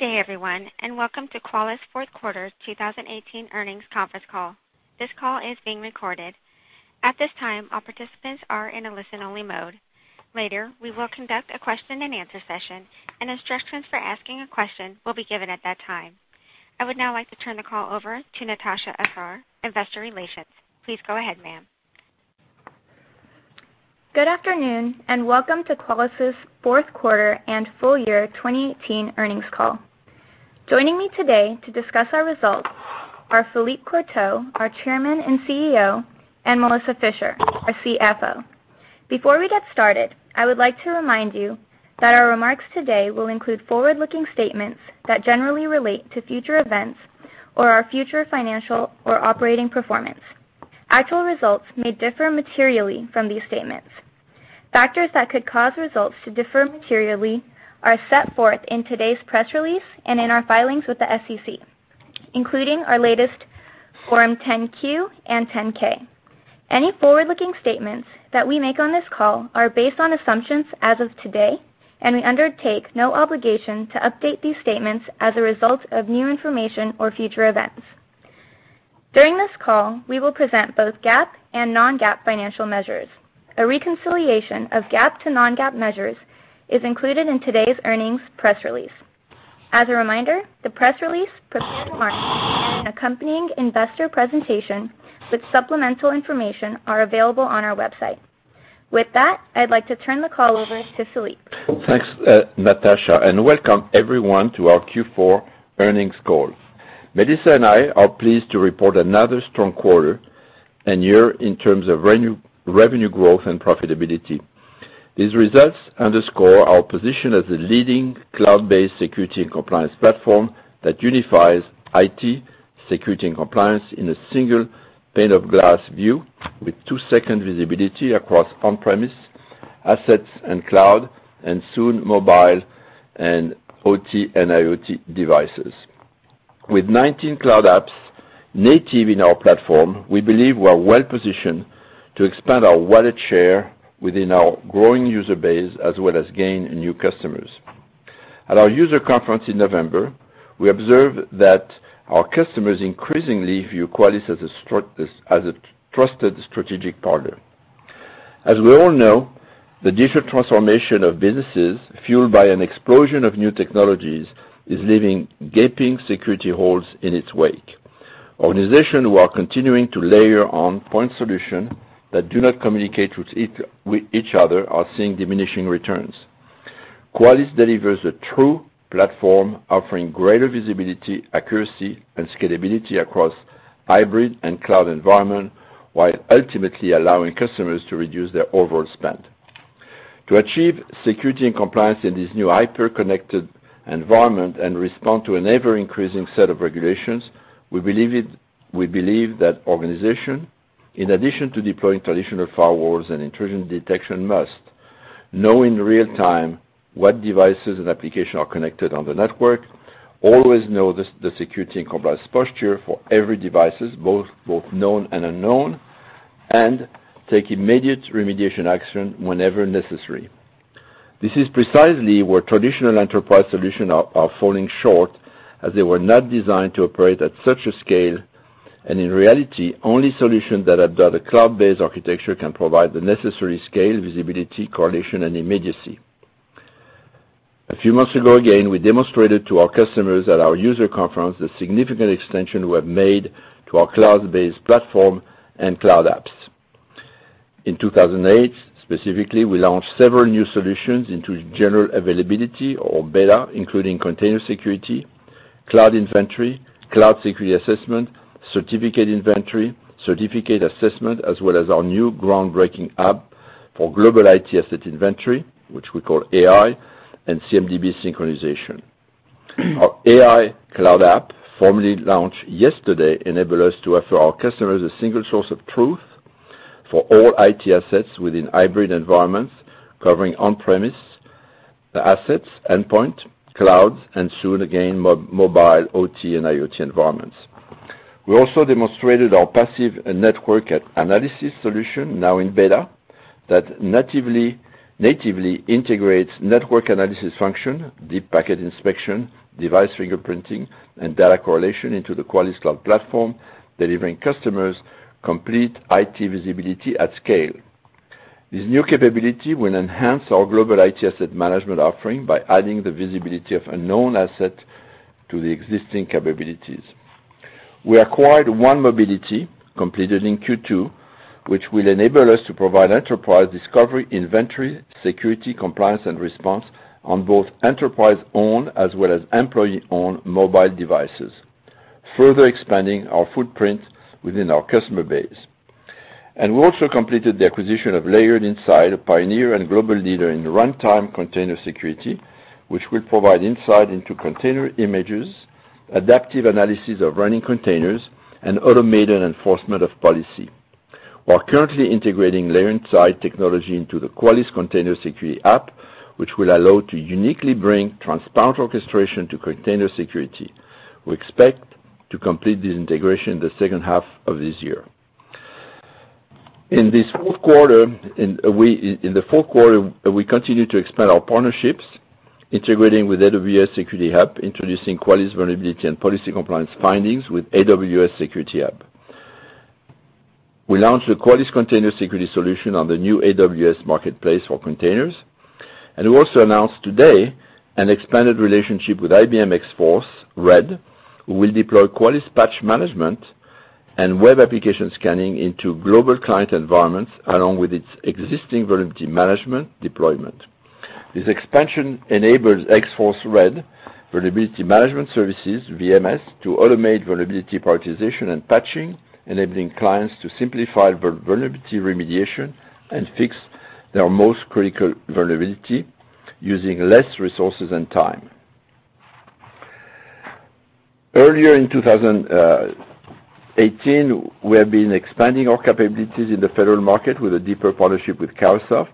Good day, everyone, and welcome to Qualys' fourth quarter 2018 earnings conference call. This call is being recorded. At this time, all participants are in a listen-only mode. Later, we will conduct a question and answer session, and instructions for asking a question will be given at that time. I would now like to turn the call over to Natasha Asar, investor relations. Please go ahead, ma'am. Good afternoon, and welcome to Qualys' fourth quarter and full year 2018 earnings call. Joining me today to discuss our results are Philippe Courtot, our chairman and Chief Executive Officer, and Melissa Fisher, our Chief Financial Officer. Before we get started, I would like to remind you that our remarks today will include forward-looking statements that generally relate to future events or our future financial or operating performance. Actual results may differ materially from these statements. Factors that could cause results to differ materially are set forth in today's press release and in our filings with the SEC, including our latest Form 10-Q and 10-K. Any forward-looking statements that we make on this call are based on assumptions as of today, and we undertake no obligation to update these statements as a result of new information or future events. During this call, we will present both GAAP and Non-GAAP financial measures. A reconciliation of GAAP to Non-GAAP measures is included in today's earnings press release. As a reminder, the press release, prepared remarks, and accompanying investor presentation with supplemental information are available on our website. With that, I'd like to turn the call over to Philippe. Thanks, Natasha, and welcome everyone to our Q4 earnings call. Melissa and I are pleased to report another strong quarter and year in terms of revenue growth and profitability. These results underscore our position as a leading cloud-based security and compliance platform that unifies IT, security, and compliance in a single pane of glass view with two-second visibility across on-premise assets and cloud, and soon mobile and OT and IoT devices. With 19 cloud apps native in our platform, we believe we're well-positioned to expand our wallet share within our growing user base, as well as gain new customers. At our user conference in November, we observed that our customers increasingly view Qualys as a trusted strategic partner. As we all know, the digital transformation of businesses, fueled by an explosion of new technologies, is leaving gaping security holes in its wake. Organizations who are continuing to layer on-point solution that do not communicate with each other are seeing diminishing returns. Qualys delivers a true platform offering greater visibility, accuracy, and scalability across hybrid and cloud environment, while ultimately allowing customers to reduce their overall spend. To achieve security and compliance in this new hyper-connected environment and respond to an ever-increasing set of regulations, we believe that organization, in addition to deploying traditional firewalls and intrusion detection, must know in real time what devices and application are connected on the network, always know the security and compliance posture for every devices, both known and unknown, and take immediate remediation action whenever necessary. This is precisely where traditional enterprise solutions are falling short, as they were not designed to operate at such a scale, and in reality, only solutions that adopt a cloud-based architecture can provide the necessary scale, visibility, correlation, and immediacy. A few months ago, again, we demonstrated to our customers at our user conference the significant extension we have made to our cloud-based platform and cloud apps. In 2018, specifically, we launched several new solutions into general availability or beta, including container security, cloud inventory, cloud security assessment, certificate inventory, certificate assessment, as well as our new groundbreaking app for global IT asset inventory, which we call AI and CMDB synchronization. Our AI cloud app, formally launched yesterday, enable us to offer our customers a single source of truth for all IT assets within hybrid environments, covering on-premise assets, endpoint, cloud, and soon, again, mobile, OT, and IoT environments. We also demonstrated our passive network analysis solution, now in beta, that natively integrates network analysis function, deep packet inspection, device fingerprinting, and data correlation into the Qualys Cloud Platform, delivering customers complete IT visibility at scale. This new capability will enhance our global IT asset management offering by adding the visibility of unknown asset to the existing capabilities. We acquired 1Mobility, completed in Q2, which will enable us to provide enterprise discovery, inventory, security, compliance, and response on both enterprise-owned as well as employee-owned mobile devices, further expanding our footprint within our customer base. We also completed the acquisition of Layered Insight, a pioneer and global leader in runtime container security, which will provide insight into container images, adaptive analysis of running containers, and automated enforcement of policy. We are currently integrating Layered Insight technology into the Qualys Container Security app, which will allow to uniquely bring transparent orchestration to container security. We expect to complete this integration the second half of this year. In the fourth quarter, we continued to expand our partnerships, integrating with AWS Security Hub, introducing Qualys Vulnerability and Policy Compliance findings with AWS Security Hub. We launched the Qualys Container Security solution on the new AWS Marketplace for Containers. We also announced today an expanded relationship with IBM X-Force Red, who will deploy Qualys Patch Management and web application scanning into global client environments, along with its existing vulnerability management deployment. This expansion enables X-Force Red Vulnerability Management Services, VMS, to automate vulnerability prioritization and patching, enabling clients to simplify vulnerability remediation and fix their most critical vulnerability using less resources and time. Earlier in 2018, we have been expanding our capabilities in the federal market with a deeper partnership with Carahsoft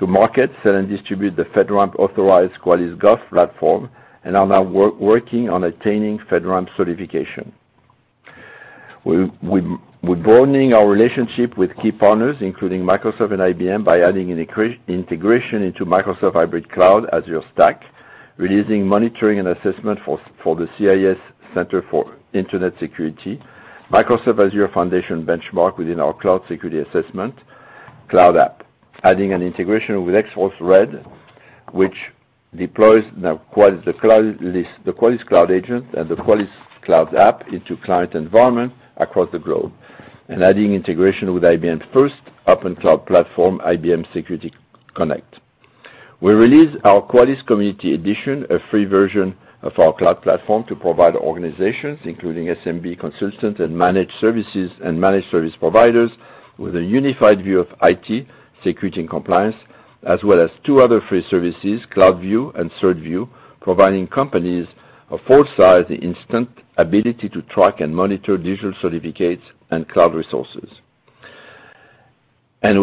to market, sell, and distribute the FedRAMP-authorized Qualys GovCloud and are now working on attaining FedRAMP certification. We're broadening our relationship with key partners, including Microsoft and IBM, by adding integration into Microsoft Hybrid Cloud Azure Stack, releasing monitoring and assessment for the CIS Microsoft Azure Foundations Benchmark within our Qualys Cloud Security Assessment cloud app, adding an integration with X-Force Red, which deploys the Cloud Agent and the Cloud App into client environment across the globe, and adding integration with IBM Security Connect. We released our Qualys Community Edition, a free version of our cloud platform to provide organizations, including SMB consultants and managed service providers, with a unified view of IT, security, and compliance, as well as two other free services, CloudView and CertView, providing companies of all size the instant ability to track and monitor digital certificates and cloud resources. We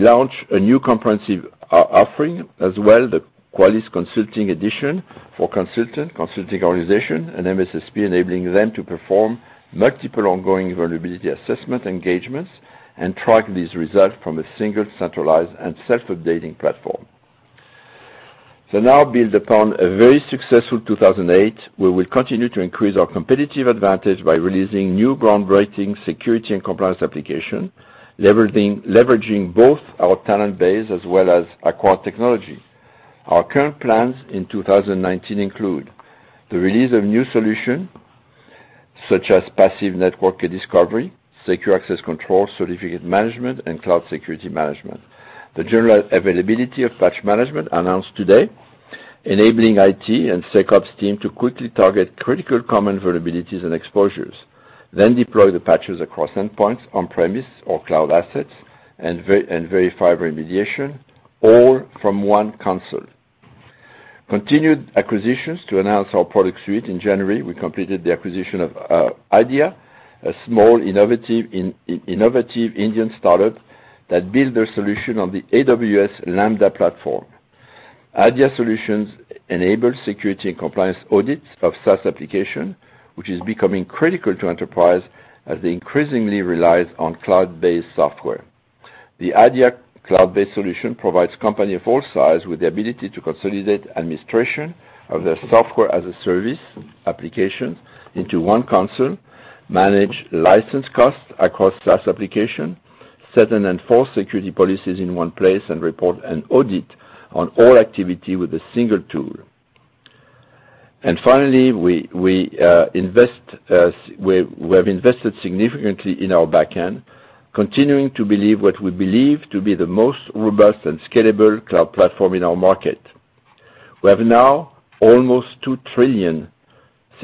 launch a new comprehensive offering as well, the Qualys Consulting Edition for consultant, consulting organization, and MSSP, enabling them to perform multiple ongoing vulnerability assessment engagements and track these results from a single centralized and self-updating platform. Now build upon a very successful 2018. We will continue to increase our competitive advantage by releasing new groundbreaking security and compliance application, leveraging both our talent base as well as acquired technology. Our current plans in 2019 include the release of new solution such as passive network discovery, secure access control, certificate management, and cloud security management. The general availability of Qualys Patch Management announced today, enabling IT and SecOps team to quickly target critical common vulnerabilities and exposures, then deploy the patches across endpoints on-premise or cloud assets and verify remediation, all from one console. Continued acquisitions to enhance our product suite. In January, we completed the acquisition of Adya, a small, innovative Indian startup that build their solution on the AWS Lambda. Adya solutions enable security and compliance audits of SaaS application, which is becoming critical to enterprise as they increasingly relies on cloud-based software. The Adya cloud-based solution provides company of all size with the ability to consolidate administration of their software-as-a-service application into one console, manage license costs across SaaS application, set and enforce security policies in one place, and report and audit on all activity with a single tool. Finally, we have invested significantly in our backend, continuing to build what we believe to be the most robust and scalable cloud platform in our market. We have now almost two trillion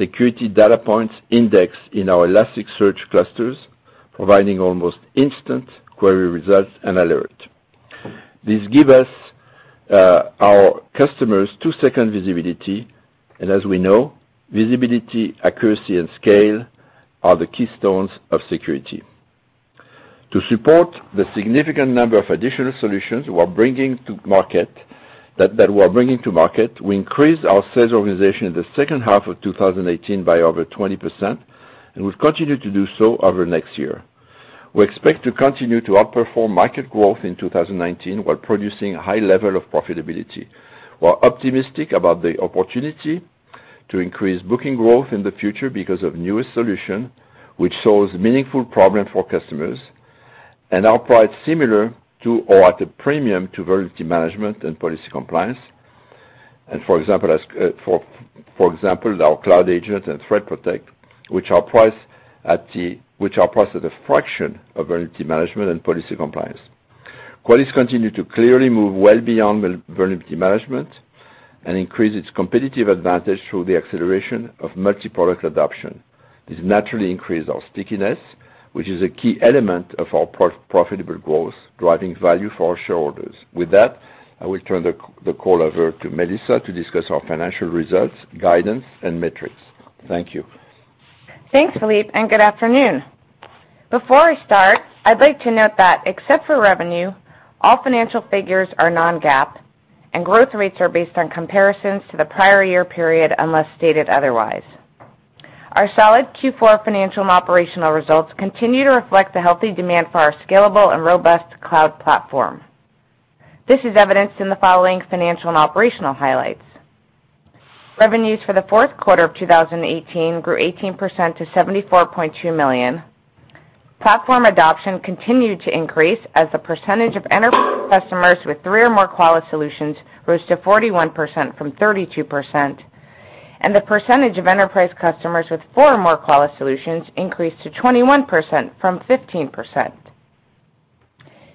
security data points indexed in our Elasticsearch clusters, providing almost instant query results and alert. This give our customers two-second visibility, and as we know, visibility, accuracy, and scale are the keystones of security. To support the significant number of additional solutions that we're bringing to market, we increased our sales organization in the second half of 2018 by over 20%, and we've continued to do so over next year. We expect to continue to outperform market growth in 2019 while producing high level of profitability. We're optimistic about the opportunity to increase booking growth in the future because of newest solution, which solves meaningful problem for customers and are priced similar to or at a premium to Vulnerability Management and Policy Compliance. For example, our Cloud Agent and Threat Protection, which are priced at a fraction of Vulnerability Management and Policy Compliance. Qualys continue to clearly move well beyond Vulnerability Management and increase its competitive advantage through the acceleration of multi-product adoption. This naturally increase our stickiness, which is a key element of our profitable growth, driving value for our shareholders. With that, I will turn the call over to Melissa to discuss our financial results, guidance, and metrics. Thank you. Thanks, Philippe, good afternoon. Before I start, I'd like to note that except for revenue, all financial figures are Non-GAAP, and growth rates are based on comparisons to the prior year period, unless stated otherwise. Our solid Q4 financial and operational results continue to reflect the healthy demand for our scalable and robust cloud platform. This is evidenced in the following financial and operational highlights. Revenues for the fourth quarter of 2018 grew 18% to $74.2 million. Platform adoption continued to increase as the percentage of enterprise customers with three or more Qualys solutions rose to 41% from 32%. The percentage of enterprise customers with four or more Qualys solutions increased to 21% from 15%.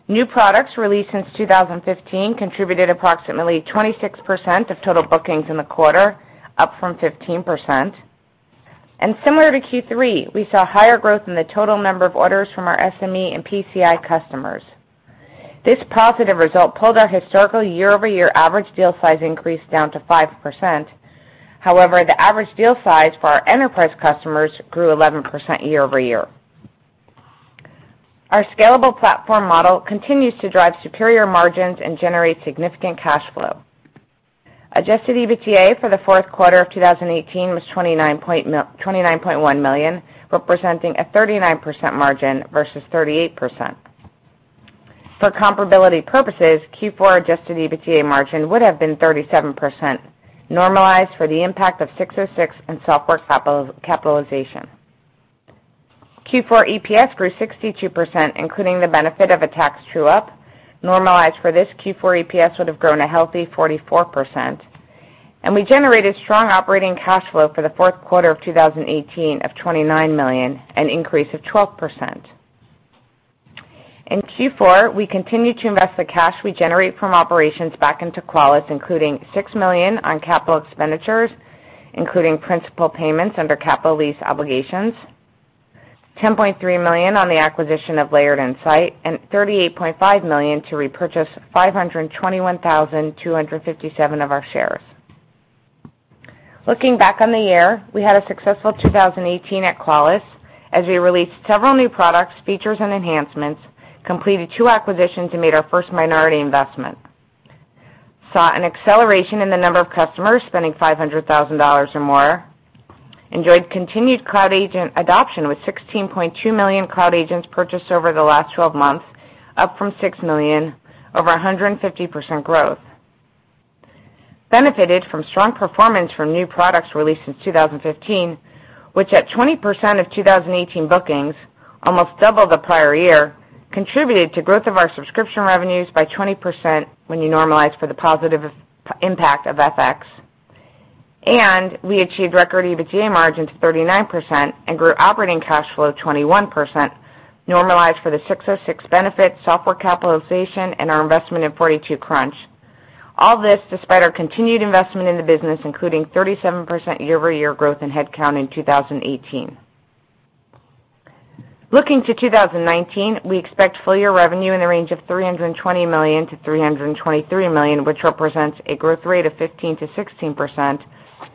New products released since 2015 contributed approximately 26% of total bookings in the quarter, up from 15%. Similar to Q3, we saw higher growth in the total number of orders from our SME and PCI customers. This positive result pulled our historical year-over-year average deal size increase down to 5%. However, the average deal size for our enterprise customers grew 11% year-over-year. Our scalable platform model continues to drive superior margins and generate significant cash flow. Adjusted EBITDA for the fourth quarter of 2018 was $29.1 million, representing a 39% margin versus 38%. For comparability purposes, Q4 adjusted EBITDA margin would have been 37%, normalized for the impact of 606 and software capitalization. Q4 EPS grew 62%, including the benefit of a tax true-up. Normalized for this, Q4 EPS would have grown a healthy 44%. We generated strong operating cash flow for the fourth quarter of 2018 of $29 million, an increase of 12%. In Q4, we continued to invest the cash we generate from operations back into Qualys, including $6 million on capital expenditures, including principal payments under capital lease obligations, $10.3 million on the acquisition of Layered Insight, and $38.5 million to repurchase 521,257 of our shares. Looking back on the year, we had a successful 2018 at Qualys as we released several new products, features, and enhancements, completed two acquisitions, and made our first minority investment, saw an acceleration in the number of customers spending $500,000 or more, enjoyed continued Cloud Agent adoption with 16.2 million Cloud Agents purchased over the last 12 months, up from 6 million, over 150% growth, benefited from strong performance from new products released since 2015, which at 20% of 2018 bookings, almost double the prior year, contributed to growth of our subscription revenues by 20% when you normalize for the positive impact of FX. We achieved record EBITDA margin to 39% and grew operating cash flow 21%, normalized for the ASC 606 benefit, software capitalization, and our investment in 42Crunch. All this despite our continued investment in the business, including 37% year-over-year growth in headcount in 2018. Looking to 2019, we expect full-year revenue in the range of $320 million-$323 million, which represents a growth rate of 15%-16%,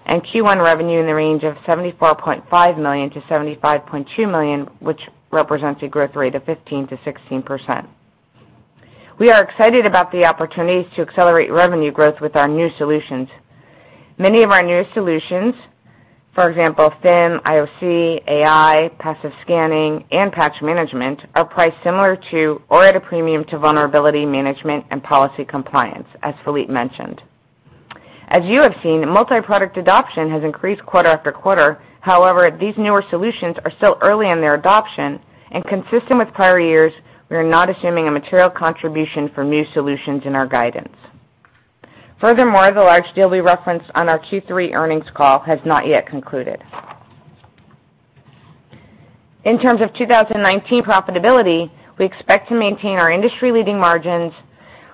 and Q1 revenue in the range of $74.5 million-$75.2 million, which represents a growth rate of 15%-16%. We are excited about the opportunities to accelerate revenue growth with our new solutions. Many of our newer solutions, for example, FIM, IOC, AI, passive scanning, and patch management, are priced similar to or at a premium to Vulnerability Management and Policy Compliance, as Philippe mentioned. As you have seen, multi-product adoption has increased quarter after quarter. However, these newer solutions are still early in their adoption and consistent with prior years, we are not assuming a material contribution from new solutions in our guidance. Furthermore, the large deal we referenced on our Q3 earnings call has not yet concluded. In terms of 2019 profitability, we expect to maintain our industry-leading margins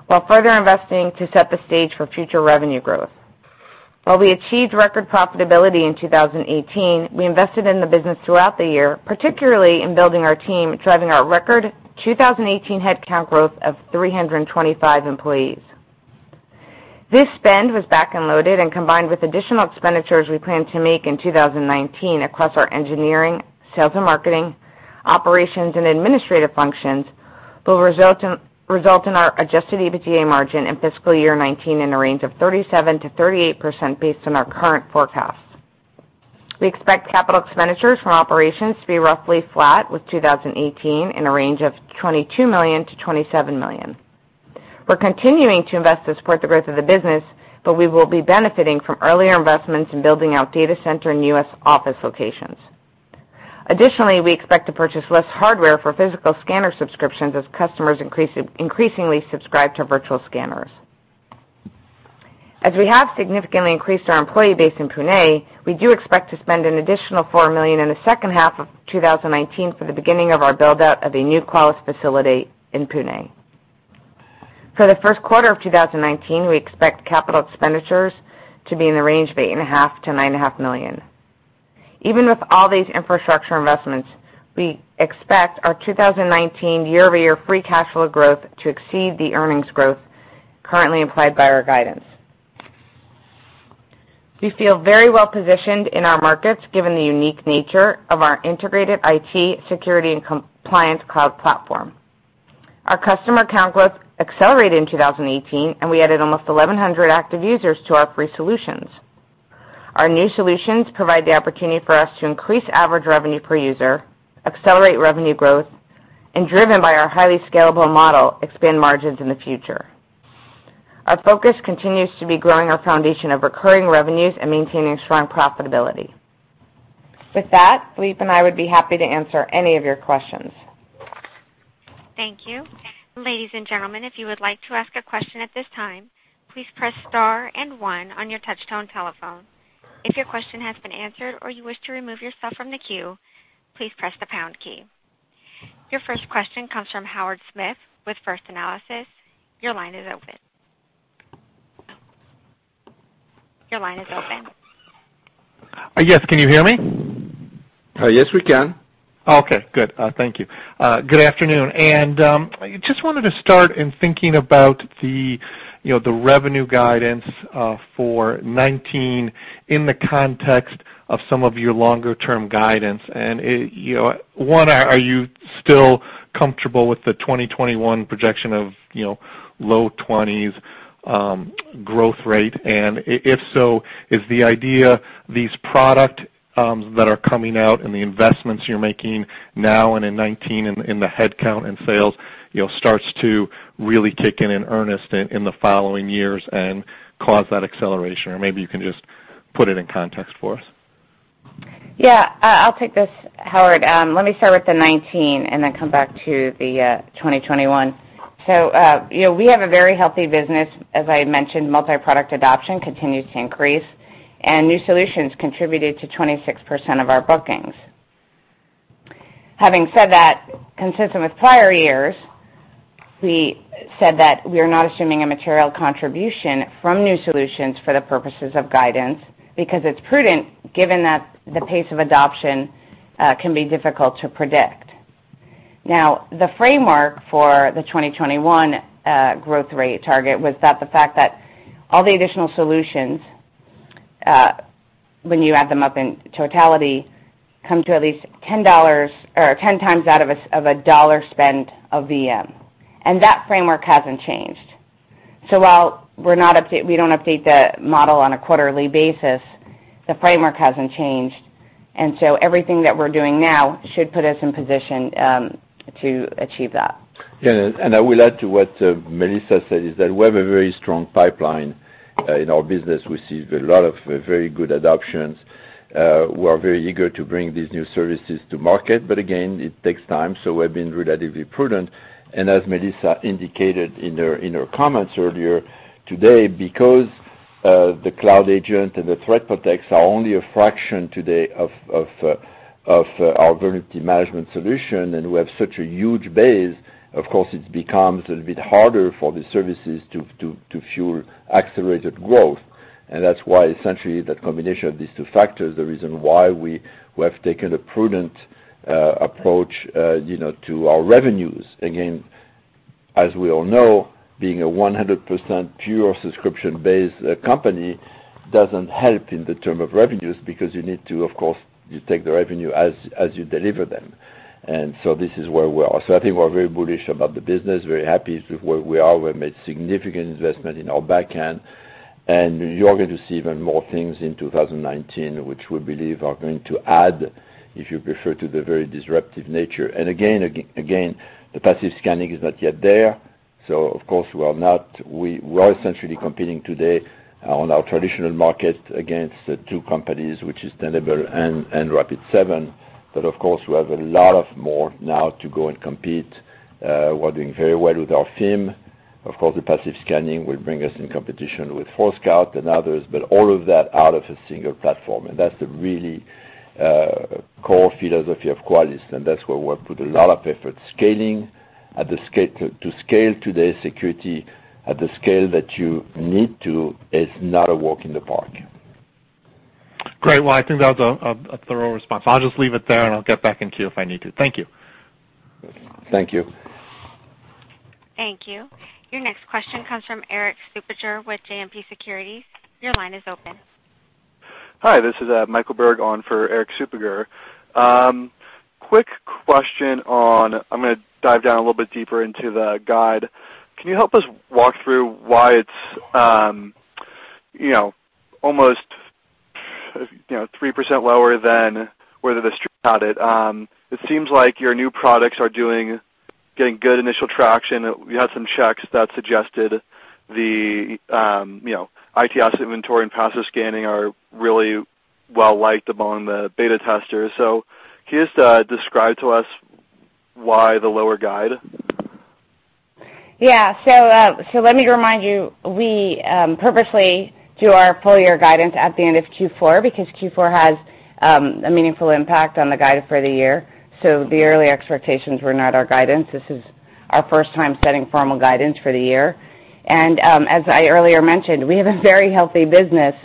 while further investing to set the stage for future revenue growth. While we achieved record profitability in 2018, we invested in the business throughout the year, particularly in building our team, driving our record 2018 headcount growth of 325 employees. This spend was back-end loaded and combined with additional expenditures we plan to make in 2019 across our engineering, sales and marketing, operations and administrative functions, will result in our adjusted EBITDA margin in FY 2019 in the range of 37%-38% based on our current forecasts. We expect capital expenditures from operations to be roughly flat with 2018 in a range of $22 million-$27 million. We're continuing to invest to support the growth of the business, but we will be benefiting from earlier investments in building out data center and U.S. office locations. Additionally, we expect to purchase less hardware for physical scanner subscriptions as customers increasingly subscribe to virtual scanners. As we have significantly increased our employee base in Pune, we do expect to spend an additional $4 million in the second half of 2019 for the beginning of our build-out of a new Qualys facility in Pune. For the first quarter of 2019, we expect capital expenditures to be in the range of $8.5 million-$9.5 million. Even with all these infrastructure investments, we expect our 2019 year-over-year free cash flow growth to exceed the earnings growth currently implied by our guidance. We feel very well-positioned in our markets given the unique nature of our integrated IT security and compliance cloud platform. Our customer count growth accelerated in 2018, we added almost 1,100 active users to our free solutions. Our new solutions provide the opportunity for us to increase average revenue per user, accelerate revenue growth, and driven by our highly scalable model, expand margins in the future. Our focus continues to be growing our foundation of recurring revenues and maintaining strong profitability. With that, Philippe and I would be happy to answer any of your questions. Thank you. Ladies and gentlemen, if you would like to ask a question at this time, please press star and one on your touch-tone telephone. If your question has been answered or you wish to remove yourself from the queue, please press the pound key. Your first question comes from Howard Smith with First Analysis. Your line is open. Yes, can you hear me? Yes, we can. Okay, good. Thank you. Good afternoon, just wanted to start in thinking about the revenue guidance for 2019 in the context of some of your longer-term guidance. One, are you still comfortable with the 2021 projection of low 20s growth rate? If so, is the idea these product that are coming out and the investments you're making now and in 2019 in the headcount and sales starts to really kick in in earnest in the following years and cause that acceleration? Or maybe you can just put it in context for us. I'll take this, Howard. Let me start with the 2019 and then come back to the 2021. We have a very healthy business. As I mentioned, multi-product adoption continues to increase, and new solutions contributed to 26% of our bookings. Having said that, consistent with prior years, we said that we are not assuming a material contribution from new solutions for the purposes of guidance because it's prudent given that the pace of adoption can be difficult to predict. The framework for the 2021 growth rate target was that the fact that all the additional solutions, when you add them up in totality, come to at least 10 times out of a dollar spent of VM, and that framework hasn't changed. While we don't update the model on a quarterly basis, the framework hasn't changed, everything that we're doing now should put us in position to achieve that. I will add to what Melissa said, is that we have a very strong pipeline in our business. We see a lot of very good adoptions. We are very eager to bring these new services to market. Again, it takes time, we've been relatively prudent. As Melissa indicated in her comments earlier today, because the Cloud Agent and the Threat Protection are only a fraction today of our Vulnerability Management solution and we have such a huge base, of course, it becomes a little bit harder for the services to fuel accelerated growth. That's why essentially that combination of these two factors, the reason why we have taken a prudent approach to our revenues. Again, as we all know, being a 100% pure subscription-based company doesn't help in the terms of revenues because you need to, of course, you take the revenue as you deliver them. This is where we are. I think we're very bullish about the business, very happy with where we are. We made significant investment in our backend, you are going to see even more things in 2019, which we believe are going to add, if you prefer, to the very disruptive nature. Again, the passive scanning is not yet there, of course, we are essentially competing today on our traditional market against 2 companies, which is Tenable and Rapid7. Of course, we have a lot of more now to go and compete. We're doing very well with our FIM. Of course, the passive scanning will bring us in competition with Forescout and others, but all of that out of a single platform. That's the really core philosophy of Qualys, and that's where we put a lot of effort. Scaling to scale today security at the scale that you need to is not a walk in the park. Great. Well, I think that was a thorough response. I'll just leave it there, and I'll get back in queue if I need to. Thank you. Thank you. Thank you. Your next question comes from Eric Supiger with JMP Securities. Your line is open. Hi, this is Michael Berg on for Eric Supiger. Quick question. I'm going to dive down a little bit deeper into the guide. Can you help us walk through why it's almost 3% lower than where the street had it? It seems like your new products are getting good initial traction. We had some checks that suggested the ITS inventory and passive scanning are really well-liked among the beta testers. Can you just describe to us why the lower guide? Yeah. Let me remind you, we purposely do our full-year guidance at the end of Q4 because Q4 has a meaningful impact on the guide for the year. The early expectations were not our guidance. This is our first time setting formal guidance for the year. As I earlier mentioned, we have a very healthy business.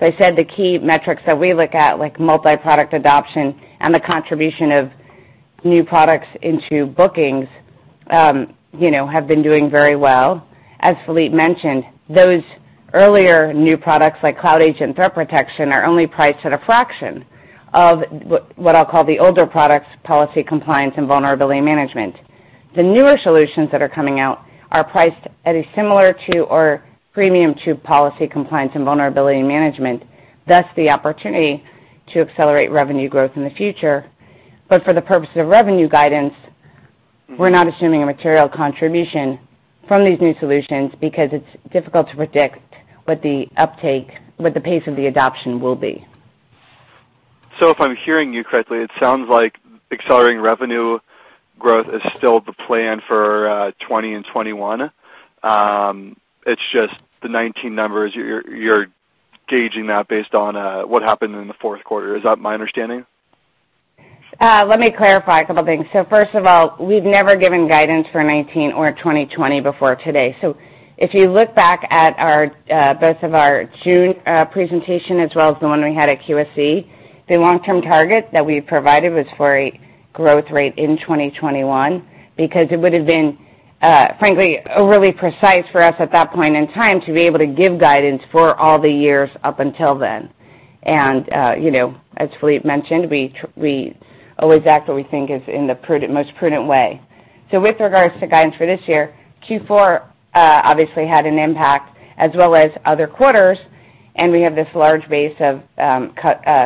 As I said, the key metrics that we look at, like multi-product adoption and the contribution of new products into bookings have been doing very well. As Philippe mentioned, those earlier new products like Cloud Agent, Threat Protection, are only priced at a fraction of what I'll call the older products, Policy Compliance and Vulnerability Management. The newer solutions that are coming out are priced at a similar to or premium to Policy Compliance and Vulnerability Management. Thus, the opportunity to accelerate revenue growth in the future. For the purpose of revenue guidance, we're not assuming a material contribution from these new solutions because it's difficult to predict what the uptake, what the pace of the adoption will be. If I'm hearing you correctly, it sounds like accelerating revenue growth is still the plan for 2020 and 2021. It's just the 2019 numbers, you're gauging that based on what happened in the fourth quarter. Is that my understanding? Let me clarify a couple of things. First of all, we've never given guidance for 2019 or 2020 before today. If you look back at both of our June presentation as well as the one we had at QSC, the long-term target that we provided was for a growth rate in 2021. It would have been, frankly, overly precise for us at that point in time to be able to give guidance for all the years up until then. As Philippe mentioned, we always act what we think is in the most prudent way. With regards to guidance for this year, Q4 obviously had an impact as well as other quarters, and we have this large base of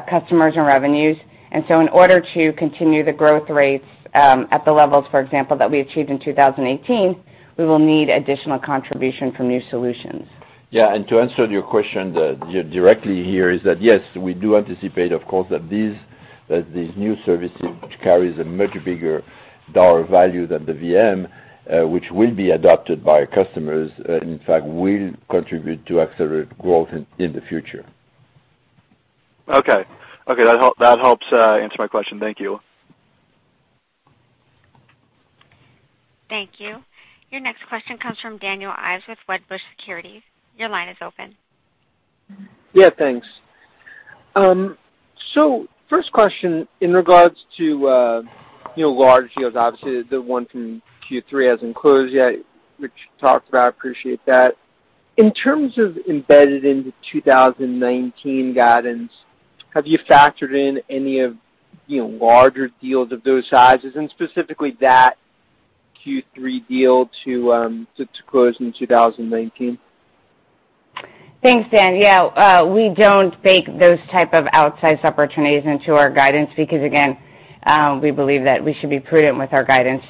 customers and revenues. In order to continue the growth rates at the levels, for example, that we achieved in 2018, we will need additional contribution from new solutions. To answer your question directly here is that yes, we do anticipate, of course, that these new services, which carries a much bigger dollar value than the VM, which will be adopted by our customers, in fact, will contribute to accelerate growth in the future. Okay. That helps answer my question. Thank you. Thank you. Your next question comes from Daniel Ives with Wedbush Securities. Your line is open. Yeah, thanks. First question in regards to large deals. Obviously, the one from Q3 hasn't closed yet, which you talked about, appreciate that. In terms of embedded into 2019 guidance, have you factored in any of larger deals of those sizes and specifically that Q3 deal to close in 2019? Thanks, Dan. Yeah. We don't bake those type of outsized opportunities into our guidance because, again, we believe that we should be prudent with our guidance.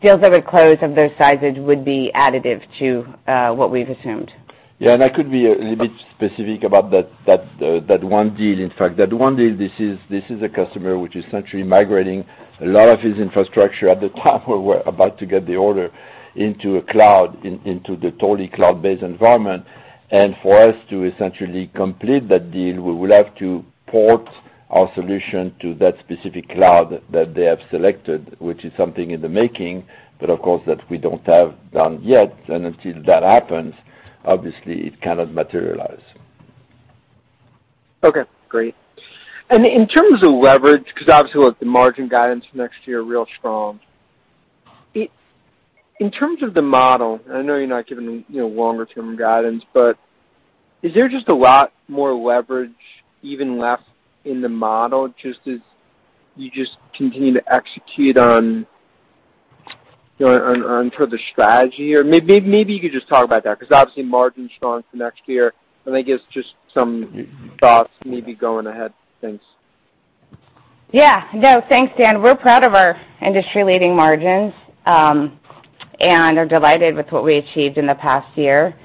Deals that would close of those sizes would be additive to what we've assumed. Yeah, I could be a little bit specific about that one deal. In fact, that one deal, this is a customer which is essentially migrating a lot of his infrastructure at the time we're about to get the order into a cloud, into the totally cloud-based environment. For us to essentially complete that deal, we would have to port our solution to that specific cloud that they have selected, which is something in the making, but of course, that we don't have done yet. Until that happens, obviously it cannot materialize. Okay, great. In terms of leverage, because obviously with the margin guidance next year, real strong. In terms of the model, I know you're not giving longer term guidance, is there just a lot more leverage even left in the model just as you just continue to execute on further strategy? Or maybe you could just talk about that, because obviously margin's strong for next year, I guess just some thoughts maybe going ahead. Thanks. Yeah. No, thanks, Dan. We're proud of our industry leading margins, are delighted with what we achieved in the past year.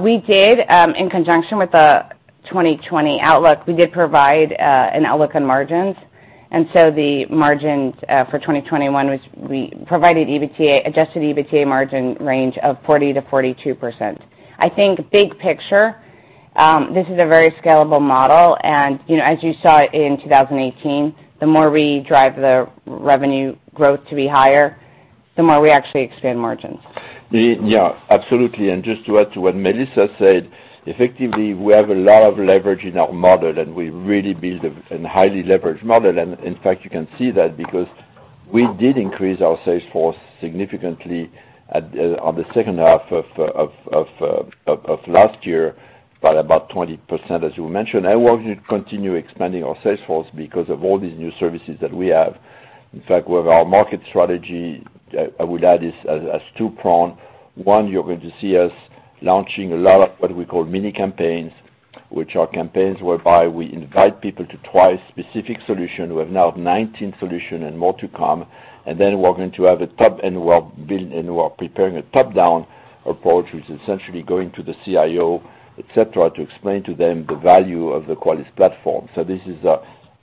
We did, in conjunction with the 2020 outlook, we did provide an outlook on margins, the margins for 2021, we provided adjusted EBITDA margin range of 40%-42%. I think big picture, this is a very scalable model, as you saw in 2018, the more we drive the revenue growth to be higher, the more we actually expand margins. Yeah, absolutely. Just to add to what Melissa said, effectively, we have a lot of leverage in our model, we really build a highly leveraged model. In fact, you can see that because we did increase our sales force significantly on the second half of last year by about 20%, as you mentioned. We're going to continue expanding our sales force because of all these new services that we have. In fact, with our market strategy, I would add this as two-pronged. One, you're going to see us launching a lot of what we call mini campaigns, which are campaigns whereby we invite people to try a specific solution. We have now 19 solution and more to come. We're going to have a top-end build, we are preparing a top-down approach, which is essentially going to the CIO, et cetera, to explain to them the value of the Qualys platform. This is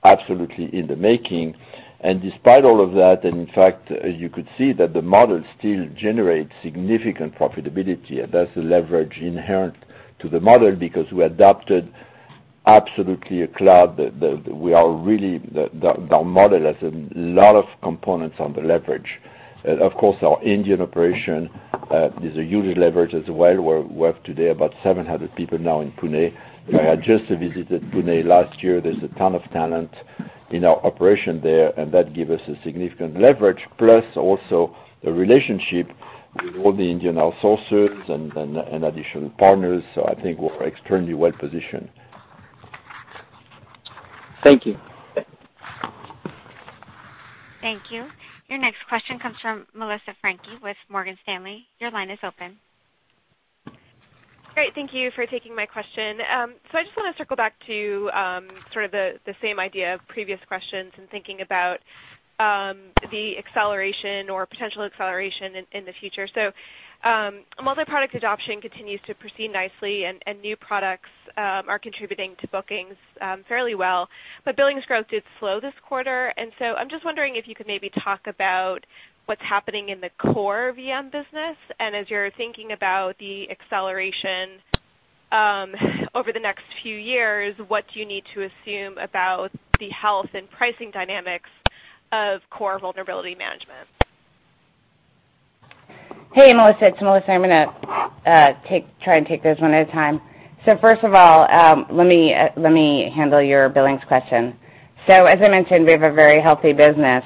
absolutely in the making. Despite all of that, in fact, you could see that the model still generates significant profitability. That's the leverage inherent to the model because we adopted absolutely a cloud. Our model has a lot of components on the leverage. Of course, our Indian operation is a huge leverage as well. We have today about 700 people now in Pune. I just visited Pune last year. There's a ton of talent in our operation there, that give us a significant leverage plus also the relationship with all the Indian outsourcers and additional partners. I think we're extremely well-positioned. Thank you. Okay. Thank you. Your next question comes from Melissa Franchi with Morgan Stanley. Your line is open. Great. Thank you for taking my question. I just want to circle back to sort of the same idea of previous questions and thinking about the acceleration or potential acceleration in the future. Multi-product adoption continues to proceed nicely and new products are contributing to bookings fairly well. Billings growth did slow this quarter. I am just wondering if you could maybe talk about what is happening in the core VM business. As you are thinking about the acceleration over the next few years, what do you need to assume about the health and pricing dynamics of core Vulnerability Management? Hey, Melissa, it is Melissa. I am going to try and take this one at a time. First of all, let me handle your billings question. As I mentioned, we have a very healthy business.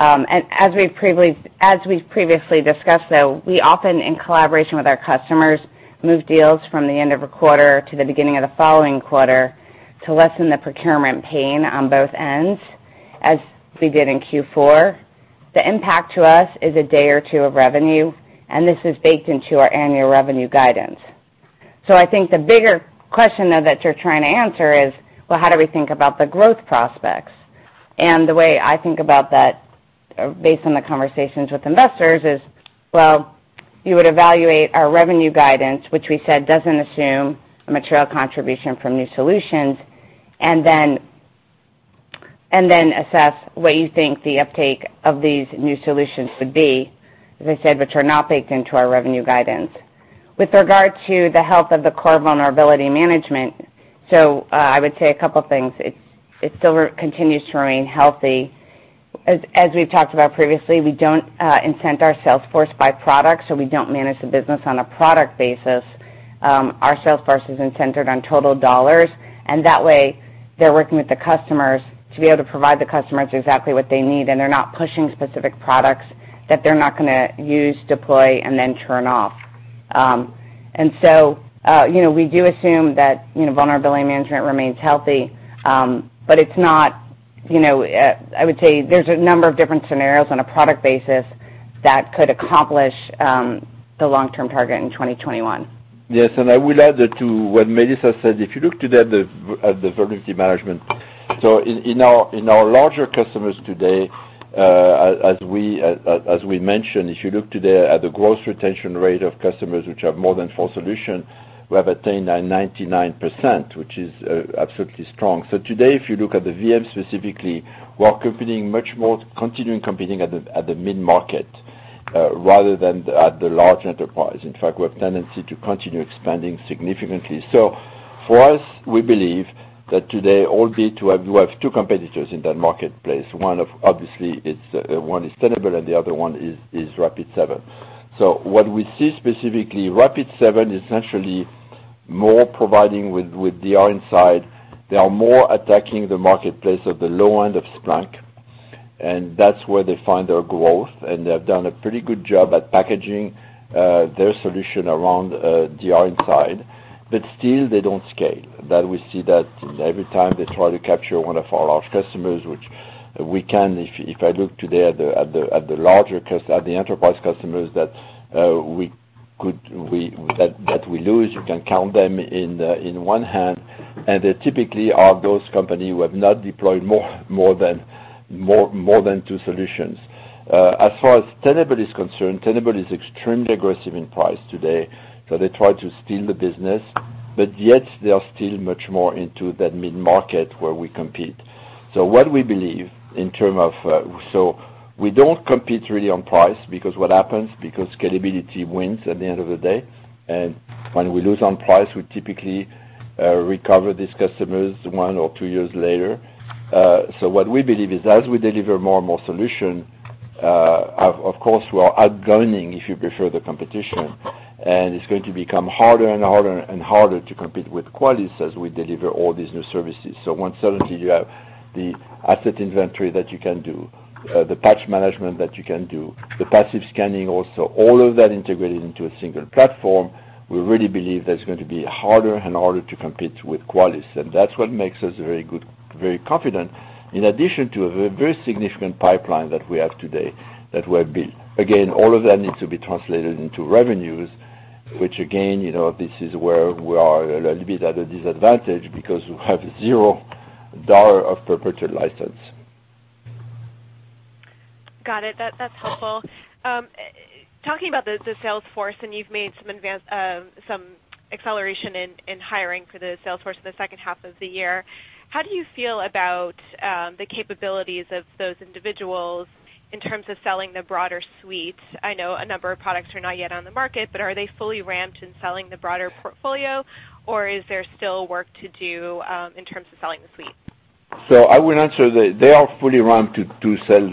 As we have previously discussed, though, we often, in collaboration with our customers, move deals from the end of a quarter to the beginning of the following quarter to lessen the procurement pain on both ends, as we did in Q4. The impact to us is a day or two of revenue, and this is baked into our annual revenue guidance. I think the bigger question, though, that you are trying to answer is, well, how do we think about the growth prospects? The way I think about that, based on the conversations with investors, is, you would evaluate our revenue guidance, which we said doesn't assume a material contribution from new solutions, then assess what you think the uptake of these new solutions would be, as I said, which are not baked into our revenue guidance. With regard to the health of the core Vulnerability Management, I would say a couple of things. It still continues to remain healthy. As we've talked about previously, we don't incent our sales force by product, we don't manage the business on a product basis. Our sales force is incented on total dollars, and that way, they're working with the customers to be able to provide the customers exactly what they need, and they're not pushing specific products that they're not going to use, deploy, and then turn off. We do assume that Vulnerability Management remains healthy, but I would say there's a number of different scenarios on a product basis that could accomplish the long-term target in 2021. Yes. I will add that to what Melissa said. If you look today at the Vulnerability Management, in our larger customers today, as we mentioned, if you look today at the gross retention rate of customers which have more than four solutions, we have attained a 99%, which is absolutely strong. Today, if you look at the VM specifically, we are competing much more, continuing competing at the mid-market rather than at the large enterprise. In fact, we have tendency to continue expanding significantly. For us, we believe that today all be to have two competitors in that marketplace. One obviously is Tenable, and the other one is Rapid7. What we see specifically, Rapid7 is essentially more providing with InsightIDR. They are more attacking the marketplace at the low end of Splunk, and that's where they find their growth, and they have done a pretty good job at packaging their solution around InsightIDR. Still, they don't scale. That we see that every time they try to capture one of our large customers, which we can, if I look today at the enterprise customers that we lose, you can count them in one hand, and they typically are those company who have not deployed more than two solutions. As far as Tenable is concerned, Tenable is extremely aggressive in price today, they try to steal the business. Yet they are still much more into that mid-market where we compete. What we believe in terms of, we don't compete really on price because what happens, because scalability wins at the end of the day, and when we lose on price, we typically recover these customers one or two years later. What we believe is as we deliver more and more solution, of course, we are outgunning, if you prefer, the competition, and it's going to become harder and harder and harder to compete with Qualys as we deliver all these new services. When suddenly you have the asset inventory that you can do, the Qualys Patch Management that you can do, the passive scanning also, all of that integrated into a single platform, we really believe that it's going to be harder and harder to compete with Qualys. That's what makes us very confident, in addition to a very significant pipeline that we have today that will be. Again, all of that needs to be translated into revenues, which again, this is where we are a little bit at a disadvantage because we have $0 of perpetual license. Got it. That's helpful. Talking about the sales force, you've made some acceleration in hiring for the sales force for the second half of the year, how do you feel about the capabilities of those individuals in terms of selling the broader suite? I know a number of products are not yet on the market, are they fully ramped in selling the broader portfolio, or is there still work to do in terms of selling the suite? I will answer that. They are fully ramped to sell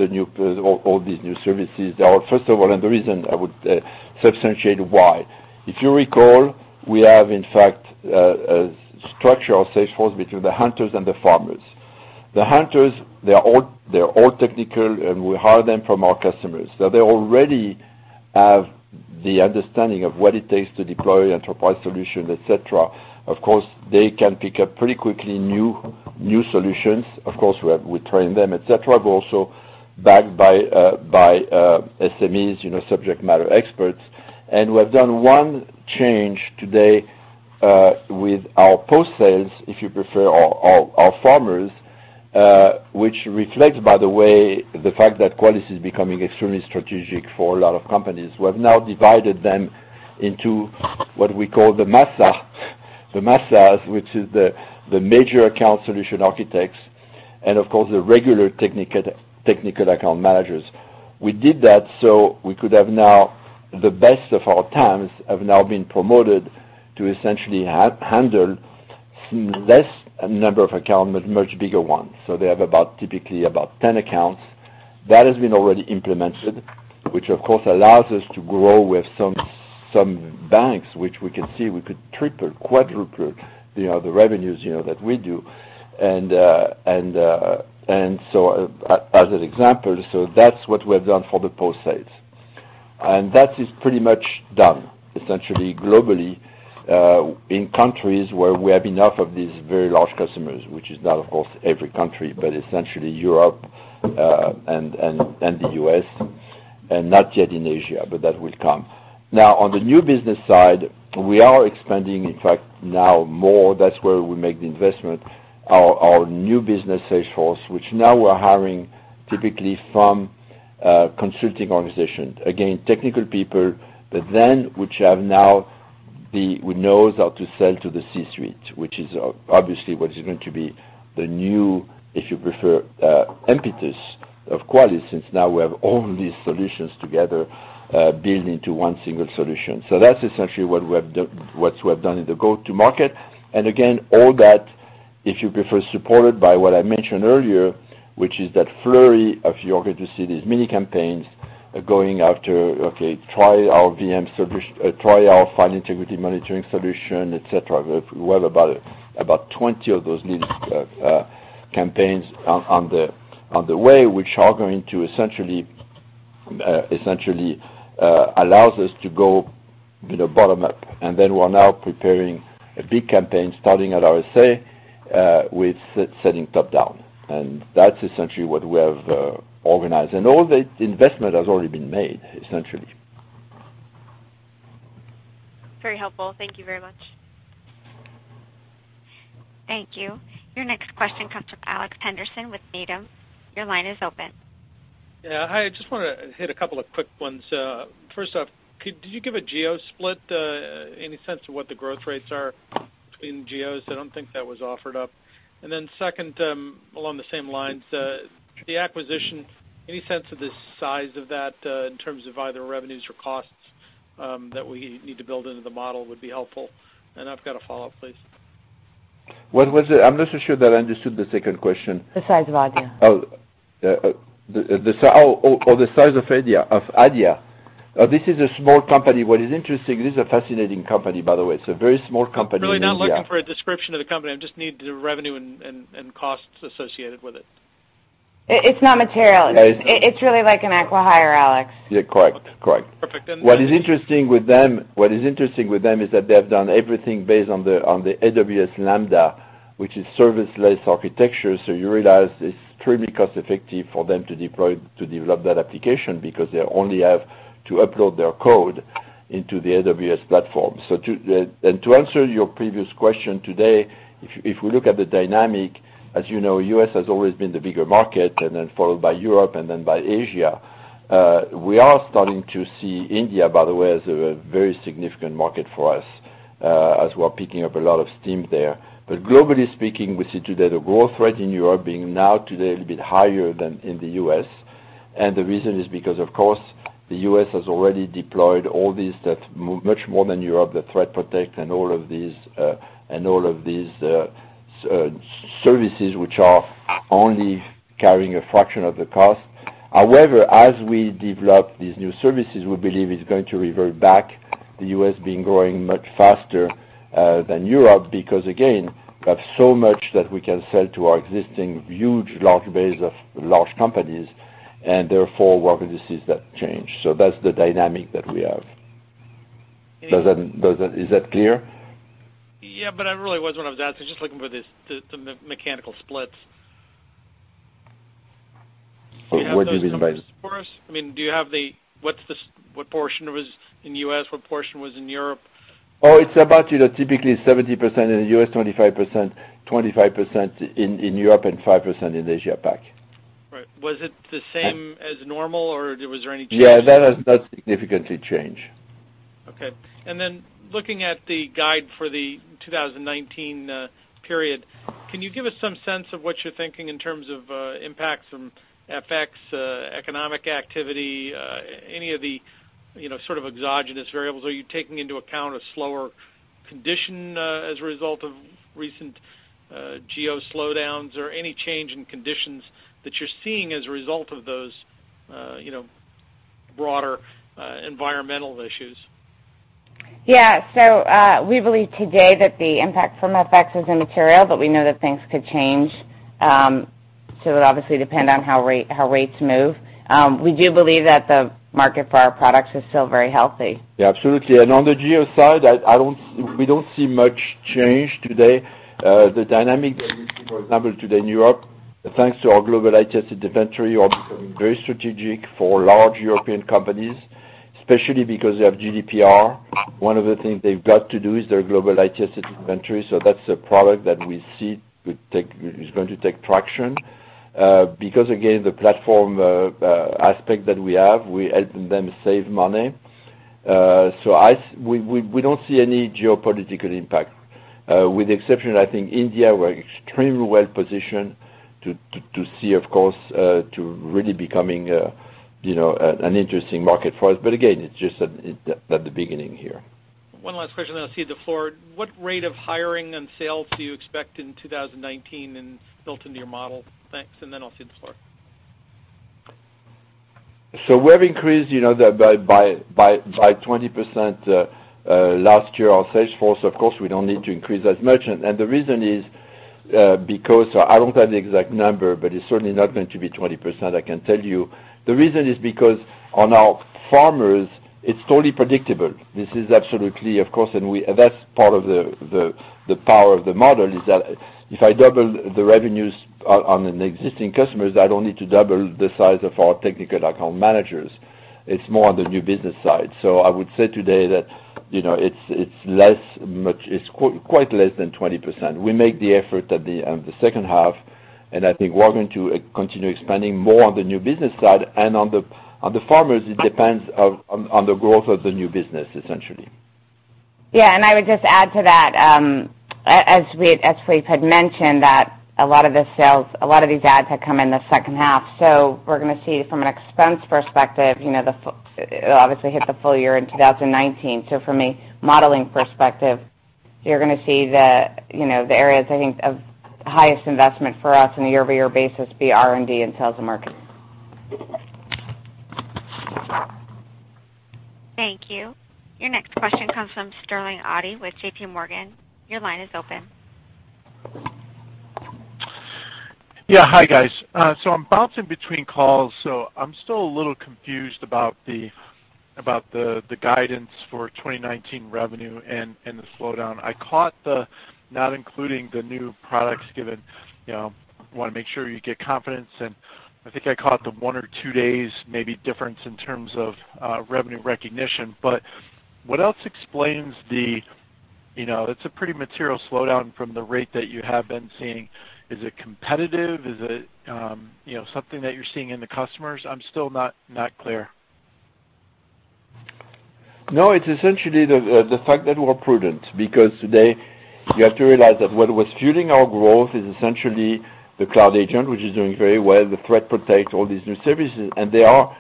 all these new services. First of all, the reason I would substantiate why. If you recall, we have, in fact, a structure of sales force between the hunters and the farmers. The hunters, they're all technical, we hire them from our customers. They already have the understanding of what it takes to deploy enterprise solution, et cetera. Of course, they can pick up pretty quickly new solutions. Of course, we train them, et cetera, but also backed by SMEs, subject matter experts. We have done one change today with our post-sales, if you prefer, our farmers, which reflects, by the way, the fact that Qualys is becoming extremely strategic for a lot of companies. We have now divided them into what we call the MASA, which is the major account solution architects, and of course, the regular technical account managers. We did that so we could have now the best of our talents have now been promoted to essentially handle less number of accounts, but much bigger ones. They have about, typically about 10 accounts. That has been already implemented, which of course allows us to grow with some banks, which we can see we could triple, quadruple the revenues that we do. As an example, that's what we have done for the post-sales. That is pretty much done. Essentially globally, in countries where we have enough of these very large customers, which is not, of course, every country, but essentially Europe and the U.S., and not yet in Asia, but that will come. On the new business side, we are expanding, in fact, now more. That's where we make the investment. Our new business sales force, which now we're hiring typically from a consulting organization. Again, technical people, which have now the knows how to sell to the C-suite, which is obviously what is going to be the new, if you prefer, impetus of Qualys, since now we have all these solutions together building to one single solution. That's essentially what we have done in the go-to market. Again, all that, if you prefer, supported by what I mentioned earlier, which is that flurry of, you're going to see these mini campaigns going after, okay, try our File Integrity Monitoring solution, et cetera. We have about 20 of those mini campaigns on the way, which are going to essentially allows us to go bottom up. We're now preparing a big campaign starting at RSA with selling top-down. That's essentially what we have organized. All the investment has already been made, essentially. Very helpful. Thank you very much. Thank you. Your next question comes from Alex Henderson with Needham. Your line is open. Yeah. Hi, I just want to hit a couple of quick ones. First off, could you give a geo split, any sense of what the growth rates are between geos? I don't think that was offered up. Second, along the same lines, the acquisition, any sense of the size of that in terms of either revenues or costs that we need to build into the model would be helpful. I've got a follow-up, please. What was it? I'm not so sure that I understood the second question. The size of Adya. Oh, the size of Adya. This is a small company. What is interesting, this is a fascinating company, by the way. It's a very small company in India. Really not looking for a description of the company. I just need the revenue and costs associated with it. It's not material. It's really like an acqui-hire, Alex. Yeah, correct. Okay, perfect. What is interesting with them is that they have done everything based on the AWS Lambda, which is serverless architecture. You realize it's extremely cost effective for them to develop that application because they only have to upload their code into the AWS platform. To answer your previous question today, if we look at the dynamic, as you know, U.S. has always been the bigger market, and then followed by Europe and then by Asia. We are starting to see India, by the way, as a very significant market for us as we're picking up a lot of steam there. Globally speaking, we see today the growth rate in Europe being now today a little bit higher than in the U.S. The reason is because, of course, the U.S. has already deployed all these that much more than Europe, the Threat Protection and all of these services which are only carrying a fraction of the cost. However, as we develop these new services, we believe it's going to revert back, the U.S. being growing much faster than Europe because, again, we have so much that we can sell to our existing huge large base of large companies, and therefore we're going to see that change. That's the dynamic that we have. Is that clear? Yeah, that really wasn't what I was asking. Just looking for the mechanical splits. What do you mean by that? Do you have those numbers for us? What portion was in the U.S., what portion was in Europe? It's about typically 70% in the U.S., 25% in Europe, and 5% in Asia PAC. Right. Was it the same as normal, or was there any change? Yeah, that has not significantly changed. Then looking at the guide for the 2019 period, can you give us some sense of what you're thinking in terms of impacts from FX, economic activity, any of the sort of exogenous variables? Are you taking into account a slower condition as a result of recent geo slowdowns or any change in conditions that you're seeing as a result of those broader environmental issues? Yeah. We believe today that the impact from FX is immaterial, but we know that things could change. It obviously depend on how rates move. We do believe that the market for our products is still very healthy. Yeah, absolutely. On the geo side, we don't see much change today. The dynamics that we see, for example, today in Europe, thanks to our global IT Asset Inventory are becoming very strategic for large European companies, especially because they have GDPR. One of the things they've got to do is their global IT Asset Inventory. That's a product that we see is going to take traction. Again, the platform aspect that we have, we helping them save money. We don't see any geopolitical impact. With the exception, I think India, we're extremely well-positioned to see, of course, to really becoming an interesting market for us. Again, it's just at the beginning here. One last question, then I'll cede the floor. What rate of hiring and sales do you expect in 2019 and built into your model? Thanks. Then I'll cede the floor. We have increased by 20% last year our sales force. Of course, we don't need to increase as much. The reason is because, I don't have the exact number, but it's certainly not going to be 20%, I can tell you. The reason is because on our farmers, it's totally predictable. This is absolutely, of course, and that's part of the power of the model is that if I double the revenues on an existing customers, I don't need to double the size of our technical account managers. It's more on the new business side. I would say today that it's quite less than 20%. We make the effort at the second half, I think we're going to continue expanding more on the new business side and on the farmers, it depends on the growth of the new business, essentially. Yeah. I would just add to that, as Philippe had mentioned that a lot of these ads have come in the second half. We're going to see from an expense perspective, it'll obviously hit the full year in 2019. From a modeling perspective, you're going to see the areas, I think, of highest investment for us on a year-over-year basis be R&D and sales and marketing. Thank you. Your next question comes from Sterling Auty with JPMorgan. Your line is open. Hi, guys. I'm bouncing between calls. I'm still a little confused about the guidance for 2019 revenue and the slowdown. I caught the not including the new products given, want to make sure you get confidence, and I think I caught the one or two days maybe difference in terms of revenue recognition. What else explains the, it's a pretty material slowdown from the rate that you have been seeing. Is it competitive? Is it something that you're seeing in the customers? I'm still not clear. No, it's essentially the fact that we're prudent because today you have to realize that what was fueling our growth is essentially the Cloud Agent, which is doing very well, the Threat Protection, all these new services, and they are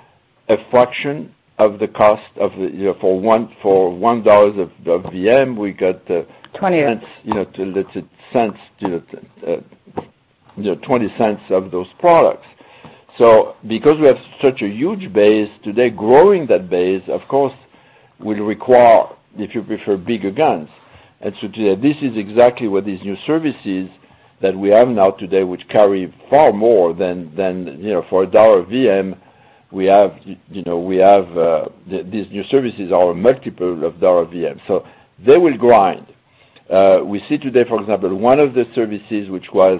a fraction of the cost of the, for $1 of VM, we got- $0.20. let's say cents to the $0.20 of those products. Because we have such a huge base today, growing that base, of course, will require, if you prefer, bigger guns. Today, this is exactly what these new services that we have now today, which carry far more than, for a $1 VM, these new services are a multiple of $1 VM. They will grind. We see today, for example, one of the services which was,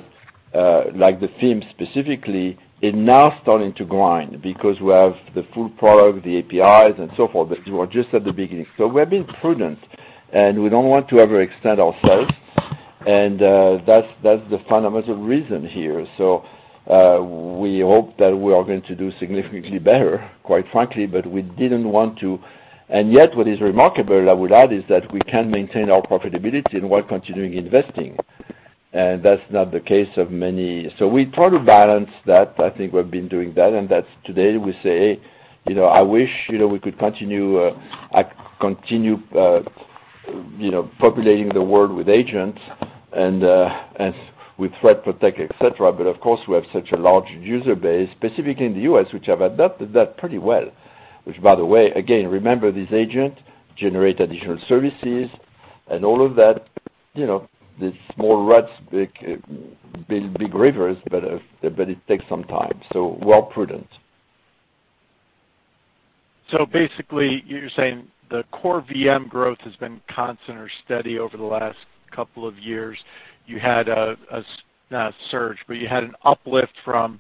like the FIM specifically, is now starting to grind because we have the full product, the APIs and so forth. We are just at the beginning. We're being prudent, and we don't want to overextend ourselves. That's the fundamental reason here. We hope that we are going to do significantly better, quite frankly, but we didn't want to. What is remarkable, I would add, is that we can maintain our profitability and while continuing investing. That's not the case of many. We try to balance that. I think we've been doing that, and that's today we say, I wish we could continue populating the world with agents and with Threat Protect, et cetera. Of course, we have such a large user base, specifically in the U.S., which have adopted that pretty well, which by the way, again, remember this agent generate additional services and all of that, the small rats build big rivers, but it takes some time, we're prudent. Basically, you're saying the core VM growth has been constant or steady over the last couple of years. You had a, not a surge, but you had an uplift from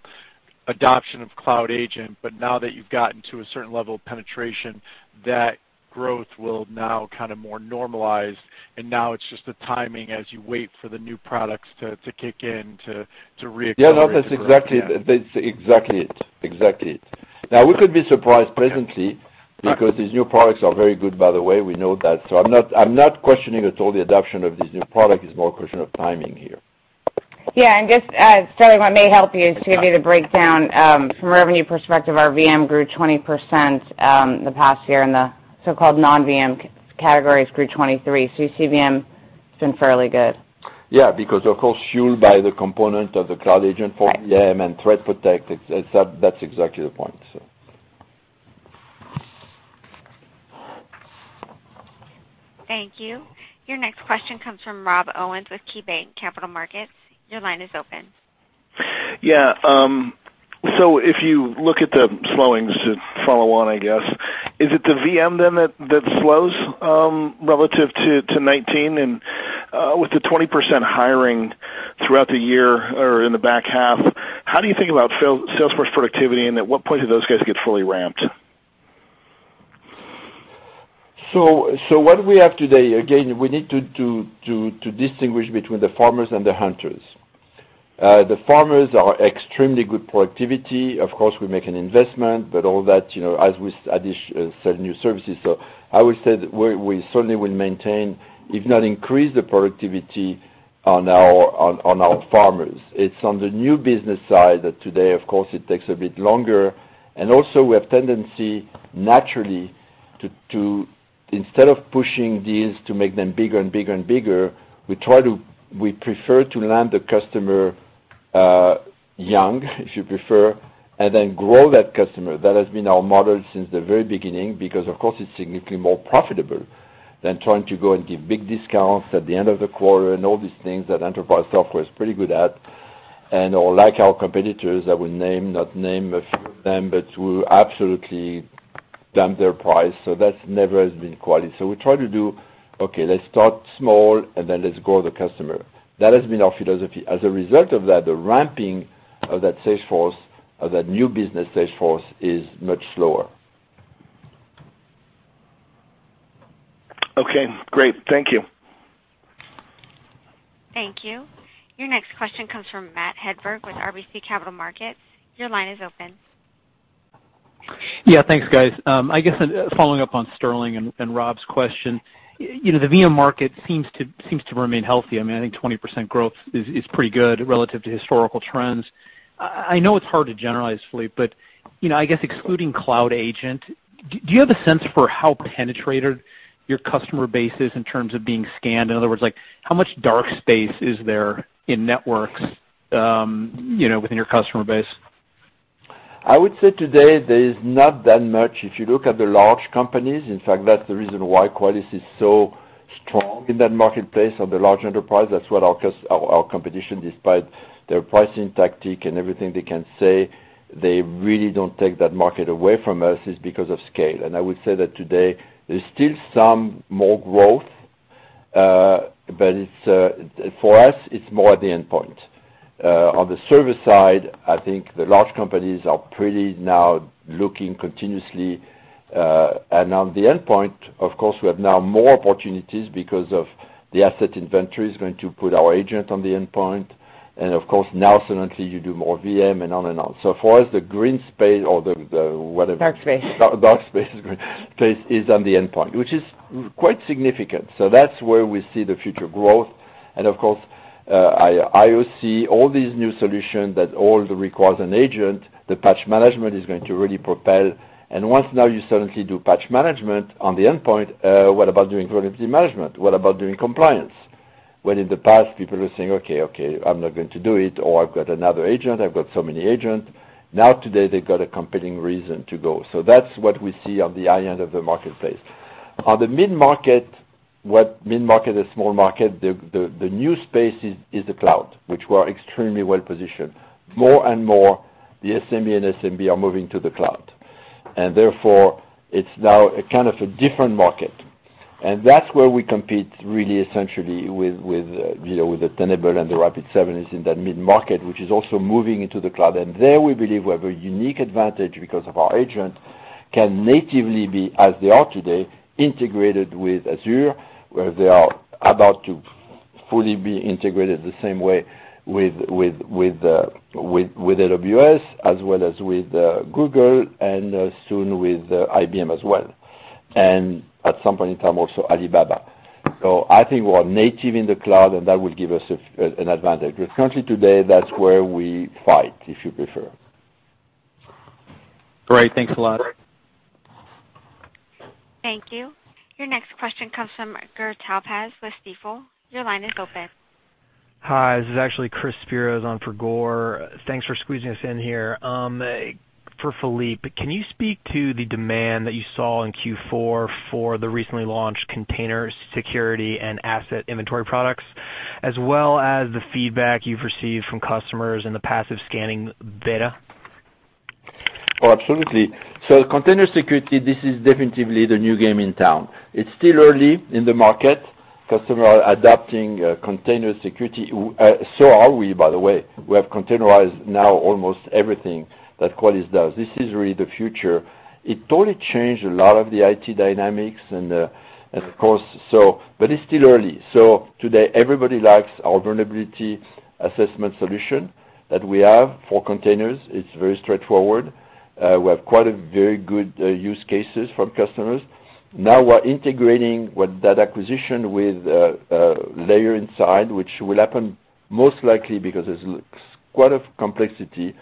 adoption of Cloud Agent, but now that you've gotten to a certain level of penetration, that growth will now kind of more normalize, and now it's just the timing as you wait for the new products to kick in to reaccelerate the growth. Yeah, that's exactly it. We could be surprised pleasantly because these new products are very good, by the way. We know that. I'm not questioning at all the adoption of this new product. It's more a question of timing here. Yeah. Just, Sterling Auty, what may help you is give you the breakdown from a revenue perspective, our VM grew 20% the past year, and the so-called non-VM categories grew 23%. You see VM, it's been fairly good. Yeah. Of course, fueled by the component of the Cloud Agent for VM and Threat Protection, that's exactly the point. Thank you. Your next question comes from Rob Owens with KeyBanc Capital Markets. Your line is open. Yeah. If you look at the slowings to follow on, I guess, is it the VM then that slows, relative to 2019? With the 20% hiring throughout the year or in the back half, how do you think about Salesforce productivity, and at what point do those guys get fully ramped? What we have today, again, we need to distinguish between the farmers and the hunters. The farmers are extremely good productivity. Of course, we make an investment, but all that as we sell new services. I would say that we certainly will maintain, if not increase the productivity on our farmers. It's on the new business side that today, of course, it takes a bit longer. Also, we have tendency, naturally, instead of pushing deals to make them bigger and bigger and bigger, we prefer to land the customer, young, if you prefer, and then grow that customer. That has been our model since the very beginning because of course, it's significantly more profitable than trying to go and give big discounts at the end of the quarter and all these things that enterprise software is pretty good at. Unlike our competitors, I will not name a few of them, but who absolutely dump their price. That never has been Qualys. We try to do, okay, let's start small, and then let's grow the customer. That has been our philosophy. As a result of that, the ramping of that new business sales force is much slower. Okay, great. Thank you. Thank you. Your next question comes from Matt Hedberg with RBC Capital Markets. Your line is open. Thanks, guys. I guess following up on Sterling and Rob's question, the VM market seems to remain healthy. I think 20% growth is pretty good relative to historical trends. I know it's hard to generalize, Philippe, but I guess excluding Cloud Agent, do you have a sense for how penetrated your customer base is in terms of being scanned? In other words, how much dark space is there in networks within your customer base? I would say today, there is not that much. If you look at the large companies, in fact, that's the reason why Qualys is so strong in that marketplace on the large enterprise. That's what our competition, despite their pricing tactic and everything they can say, they really don't take that market away from us is because of scale. I would say that today there's still some more growth, but for us, it's more at the endpoint. On the service side, I think the large companies are pretty now looking continuously. On the endpoint, of course, we have now more opportunities because of the asset inventory is going to put our agent on the endpoint. Of course, now suddenly you do more VM and on and on. So for us, the green space or the whatever- Dark space. That's on the endpoint, which is quite significant. That's where we see the future growth. Of course, IOC, all these new solutions that all requires an agent, the patch management is going to really propel. And once now you suddenly do patch management on the endpoint, what about doing Vulnerability Management? What about doing compliance? When in the past people were saying, "Okay, okay, I'm not going to do it," or, "I've got another agent, I've got so many agent." Now today they've got a compelling reason to go. That's what we see on the high end of the marketplace. On the mid-market, what mid-market is small market, the new space is the cloud, which we're extremely well-positioned. More and more, the SME and SMB are moving to the cloud. Therefore, it's now a kind of a different market. That's where we compete really essentially with the Tenable and the Rapid7 is in that mid-market, which is also moving into the cloud. There we believe we have a unique advantage because of our agent can natively be, as they are today, integrated with Azure, where they are about to fully be integrated the same way with AWS, as well as with Google, and soon with IBM as well. At some point in time, also Alibaba. I think we're native in the cloud, and that will give us an advantage. Currently today, that's where we fight, if you prefer. Great. Thanks a lot. Thank you. Your next question comes from Gur Talpaz with Stifel. Your line is open. Hi. This is actually Chris Prassas on for Gur. Thanks for squeezing us in here. For Philippe, can you speak to the demand that you saw in Q4 for the recently launched container security and asset inventory products, as well as the feedback you've received from customers in the passive scanning beta? Oh, absolutely. Container security, this is definitely the new game in town. It's still early in the market. Customers are adapting container security. Are we, by the way. We have containerized now almost everything that Qualys does. This is really the future. It totally changed a lot of the IT dynamics and of course, It's still early. Today, everybody likes our vulnerability assessment solution that we have for containers. It's very straightforward. We have quite a very good use cases from customers. Now we're integrating with that acquisition with Layered Insight, which will happen most likely because there's quite a complexity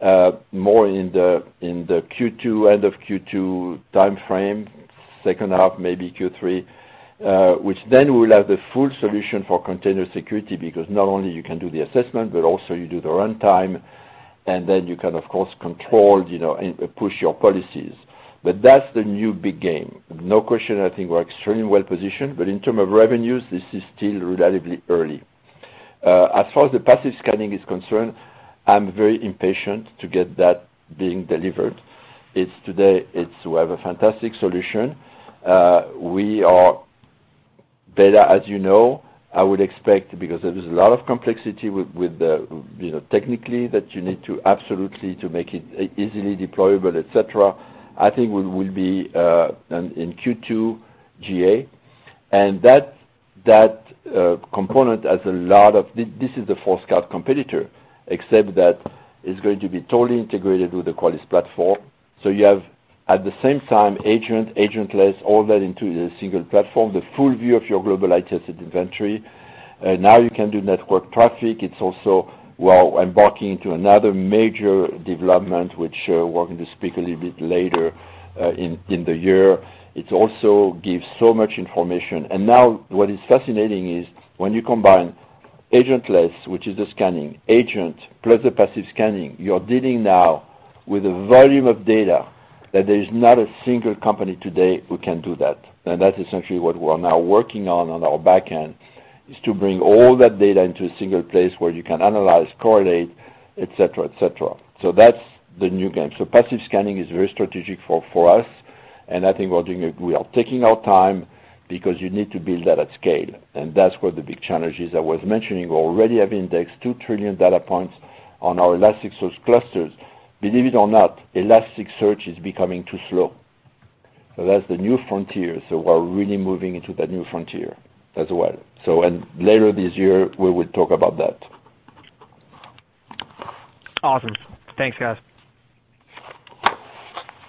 in the end of Q2 timeframe, second half, maybe Q3, which then we will have the full solution for container security, because not only you can do the assessment, but also you do the runtime, and then you can, of course, control and push your policies. That's the new big game. No question, I think we're extremely well-positioned, In term of revenues, this is still relatively early. As far as the passive scanning is concerned, I'm very impatient to get that being delivered. It's today, we have a fantastic solution. We are better, as you know. I would expect, because there is a lot of complexity technically that you need to absolutely to make it easily deployable, et cetera. I think we will be in Q2 GA. That component has a lot of This is the Forescout competitor, except that it's going to be totally integrated with the Qualys platform. You have, at the same time, agent, agentless, all that into a single platform, the full view of your Qualys Global IT Asset Inventory. Now you can do network traffic. It's also, well, embarking into another major development, which we're going to speak a little bit later in the year. It also gives so much information. Now what is fascinating is when you combine agentless, which is the scanning, agent plus the passive scanning, you are dealing now with a volume of data that there is not a single company today who can do that. That's essentially what we're now working on our back end, is to bring all that data into a single place where you can analyze, correlate, et cetera. That's the new game. Passive scanning is very strategic for us, and I think we are taking our time because you need to build that at scale, and that's where the big challenge is. I was mentioning, we already have indexed two trillion data points on our Elasticsearch clusters. Believe it or not, Elasticsearch is becoming too slow. That's the new frontier. We're really moving into that new frontier as well. Later this year, we will talk about that. Awesome. Thanks, guys.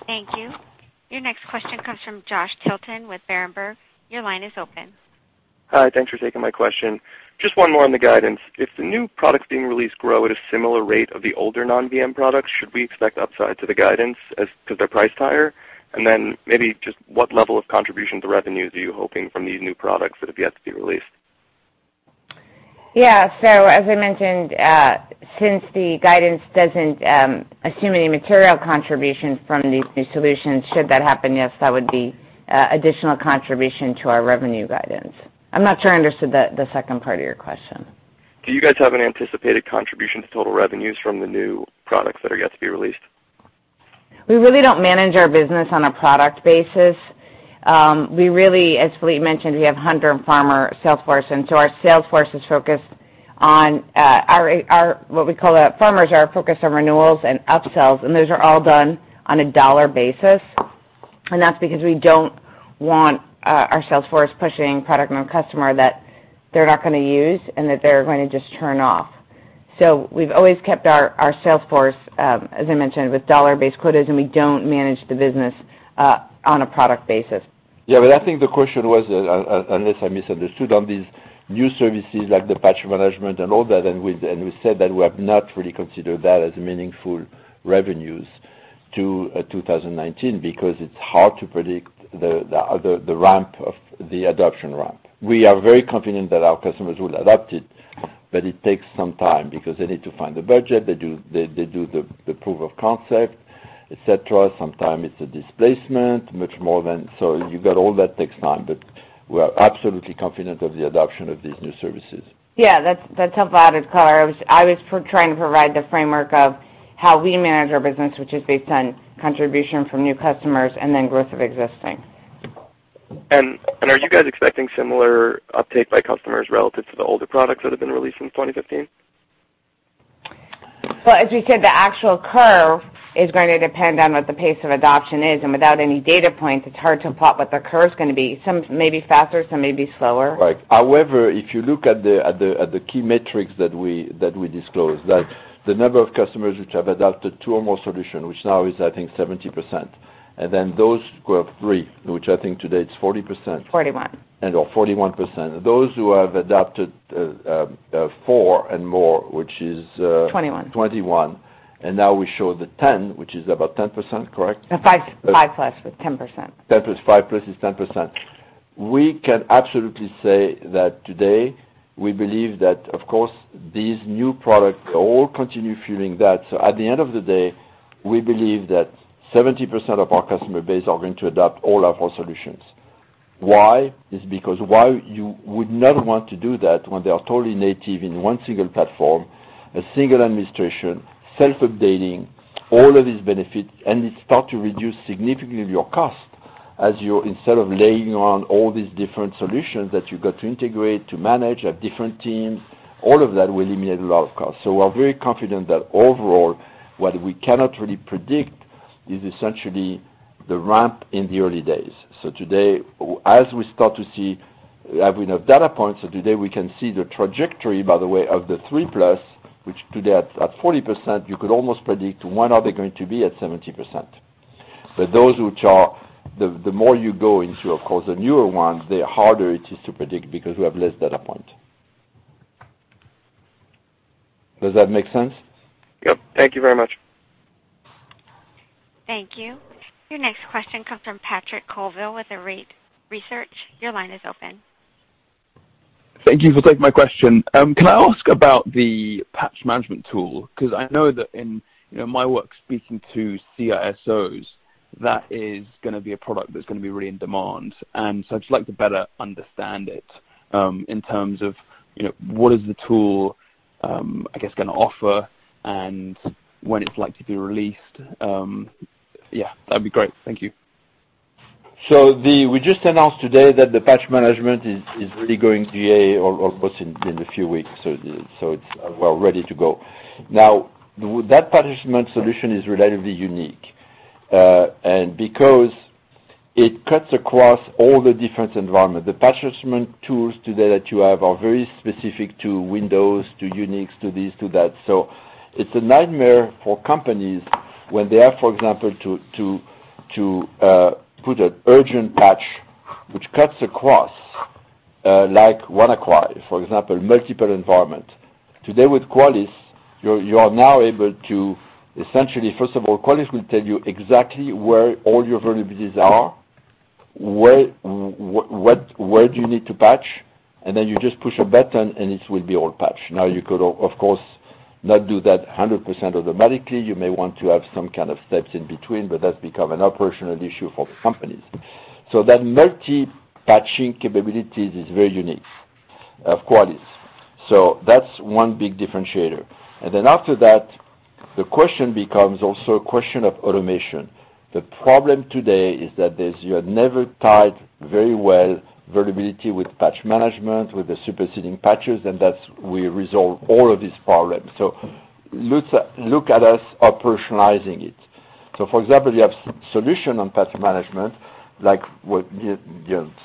Thank you. Your next question comes from Joshua Tilton with Berenberg. Your line is open. Hi, thanks for taking my question. Just one more on the guidance. If the new products being released grow at a similar rate of the older non-VM products, should we expect upside to the guidance as to their price higher? Then maybe just what level of contribution to revenues are you hoping from these new products that have yet to be released? Yeah. As I mentioned, since the guidance doesn't assume any material contribution from these new solutions, should that happen, yes, that would be additional contribution to our revenue guidance. I'm not sure I understood the second part of your question. Do you guys have an anticipated contribution to total revenues from the new products that are yet to be released? We really don't manage our business on a product basis. We really, as Philippe mentioned, we have hunter and farmer sales force, our sales force is focused on our, what we call farmers, are focused on renewals and upsells, and those are all done on a dollar basis. That's because we don't want our sales force pushing product on a customer that they're not going to use and that they're going to just turn off. We've always kept our sales force, as I mentioned, with dollar-based quotas, and we don't manage the business on a product basis. I think the question was, unless I misunderstood, on these new services like the Patch Management and all that. We said that we have not really considered that as meaningful revenues to 2019 because it's hard to predict the adoption ramp. We are very confident that our customers will adopt it, but it takes some time because they need to find the budget. They do the proof of concept, et cetera. Sometimes it's a displacement, much more than. You got all that takes time. We are absolutely confident of the adoption of these new services. That's help added color. I was trying to provide the framework of how we manage our business, which is based on contribution from new customers and then growth of existing. Are you guys expecting similar uptake by customers relative to the older products that have been released since 2015? As we said, the actual curve is going to depend on what the pace of adoption is. Without any data points, it's hard to plot what the curve's going to be. Some may be faster, some may be slower. Right. However, if you look at the key metrics that we disclose, that the number of customers which have adopted two or more solution, which now is, I think, 70%. Those who have three, which I think today it's 40%. 41%. 41%. Those who have adopted four and more, which is- 21%. 21%. Now we show the 10%, which is about 10%, correct? Five plus is 10%. five plus is 10%. We can absolutely say that today we believe that of course, these new product all continue fueling that. At the end of the day, we believe that 70% of our customer base are going to adopt all our four solutions. Why? Is because why you would never want to do that when they are totally native in one single platform, a single administration, self-updating, all of these benefits, and it start to reduce significantly your cost as you, instead of laying on all these different solutions that you got to integrate, to manage, have different teams, all of that will eliminate a lot of cost. We're very confident that overall, what we cannot really predict is essentially the ramp in the early days. Today, as we start to see, having a data point, today we can see the trajectory, by the way, of the three plus, which today at 40%, you could almost predict when are they going to be at 70%. Those which are, the more you go into, of course, the newer ones, the harder it is to predict because we have less data point. Does that make sense? Yep. Thank you very much. Thank you. Your next question comes from Patrick Colville with Arete Research. Your line is open. Thank you for taking my question. Can I ask about the Patch Management tool? I know that in my work, speaking to CISOs, that is going to be a product that's going to be really in demand. I'd just like to better understand it, in terms of what is the tool, I guess, going to offer and when it's likely to be released. Yeah, that'd be great. Thank you. We just announced today that the Patch Management is really going GA or within a few weeks. It's well ready to go. That Patch Management solution is relatively unique. It cuts across all the different environments, the Patch Management tools today that you have are very specific to Microsoft Windows, to Unix, to this, to that. It's a nightmare for companies when they have, for example, to put an urgent patch which cuts across, like WannaCry, for example, multiple environments. Today with Qualys, you are now able to essentially, first of all, Qualys will tell you exactly where all your vulnerabilities are, where do you need to patch, and then you just push a button and it will be all patched. You could, of course, not do that 100% automatically. You may want to have some kind of steps in between, but that's become an operational issue for the companies. That multi-patching capability is very unique of Qualys. That's one big differentiator. After that, the question becomes also a question of automation. The problem today is that you have never tied very well vulnerability with Patch Management, with the superseding patches, and that's we resolve all of these problems. Look at us operationalizing it. For example, you have solutions on Patch Management, like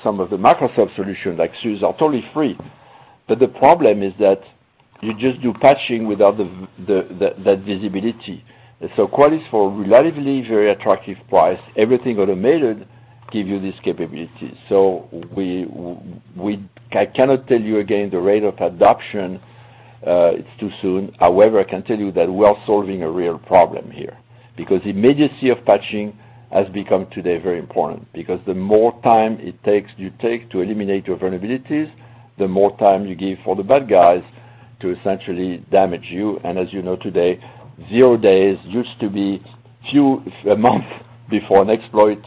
some of the Microsoft solutions, like SUSE, are totally free. The problem is that you just do patching without that visibility. Qualys for a relatively very attractive price, everything automated, give you this capability. I cannot tell you again, the rate of adoption, it's too soon. I can tell you that we are solving a real problem here, because immediacy of patching has become today very important, because the more time you take to eliminate your vulnerabilities, the more time you give for the bad guys to essentially damage you. As you know today, zero days used to be few a month before an exploit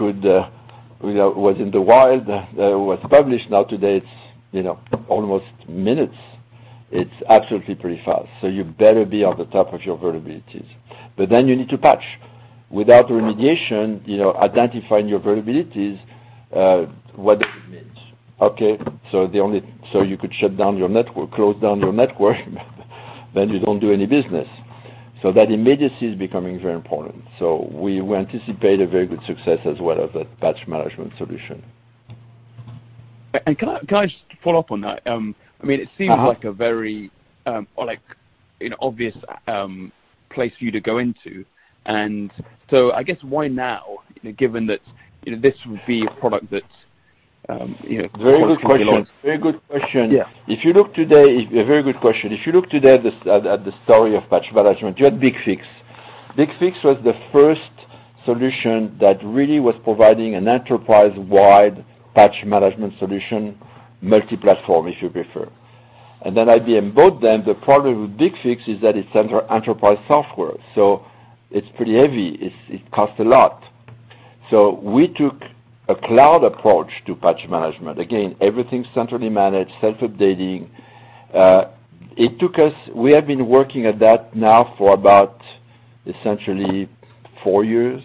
was in the wild, was published. Today it's almost minutes. It's absolutely pretty fast. You better be on the top of your vulnerabilities. You need to patch. Without remediation, identifying your vulnerabilities, what does it mean? You could shut down your network, close down your network, you don't do any business. That immediacy is becoming very important. We anticipate a very good success as well of that Patch Management solution. Can I just follow up on that? It seems like a very obvious place for you to go into. I guess why now, given that this would be a product that- Very good question. Yeah. A very good question. If you look today at the story of patch management, you had BigFix. BigFix was the first solution that really was providing an enterprise-wide patch management solution, multi-platform, if you prefer. IBM bought them. The problem with BigFix is that it's enterprise software, so it's pretty heavy. It costs a lot. We took a cloud approach to patch management. Again, everything's centrally managed, self-updating. We have been working at that now for about essentially four years.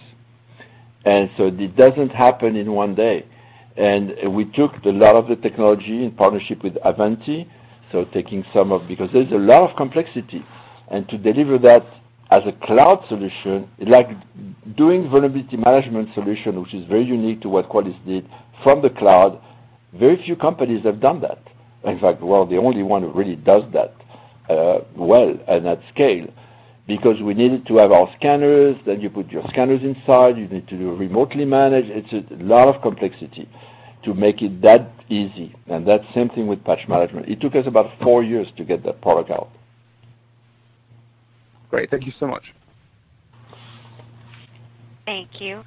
It doesn't happen in one day. We took a lot of the technology in partnership with Ivanti. Because there's a lot of complexity, and to deliver that as a cloud solution, like doing Vulnerability Management solution, which is very unique to what Qualys did from the cloud, very few companies have done that. In fact, we're the only one who really does that well and at scale. We needed to have our scanners, you put your scanners inside, you need to remotely manage. It's a lot of complexity to make it that easy, and that same thing with patch management. It took us about four years to get that product out. Great. Thank you so much. Thank you.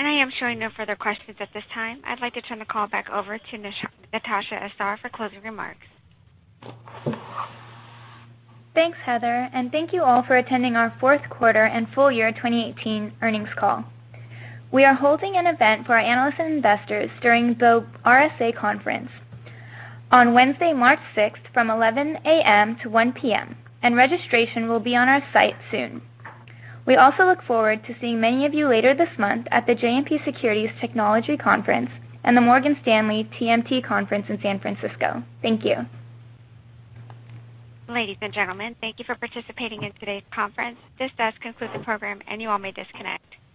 I am showing no further questions at this time. I'd like to turn the call back over to Natasha Asar for closing remarks. Thanks, Heather, and thank you all for attending our fourth quarter and full year 2018 earnings call. We are holding an event for our analysts and investors during the RSA Conference on Wednesday, March 6th from 11:00 A.M.-1:00 P.M. Registration will be on our site soon. We also look forward to seeing many of you later this month at the JMP Securities Technology Conference and the Morgan Stanley TMT Conference in San Francisco. Thank you. Ladies and gentlemen, thank you for participating in today's conference. This does conclude the program, and you all may disconnect.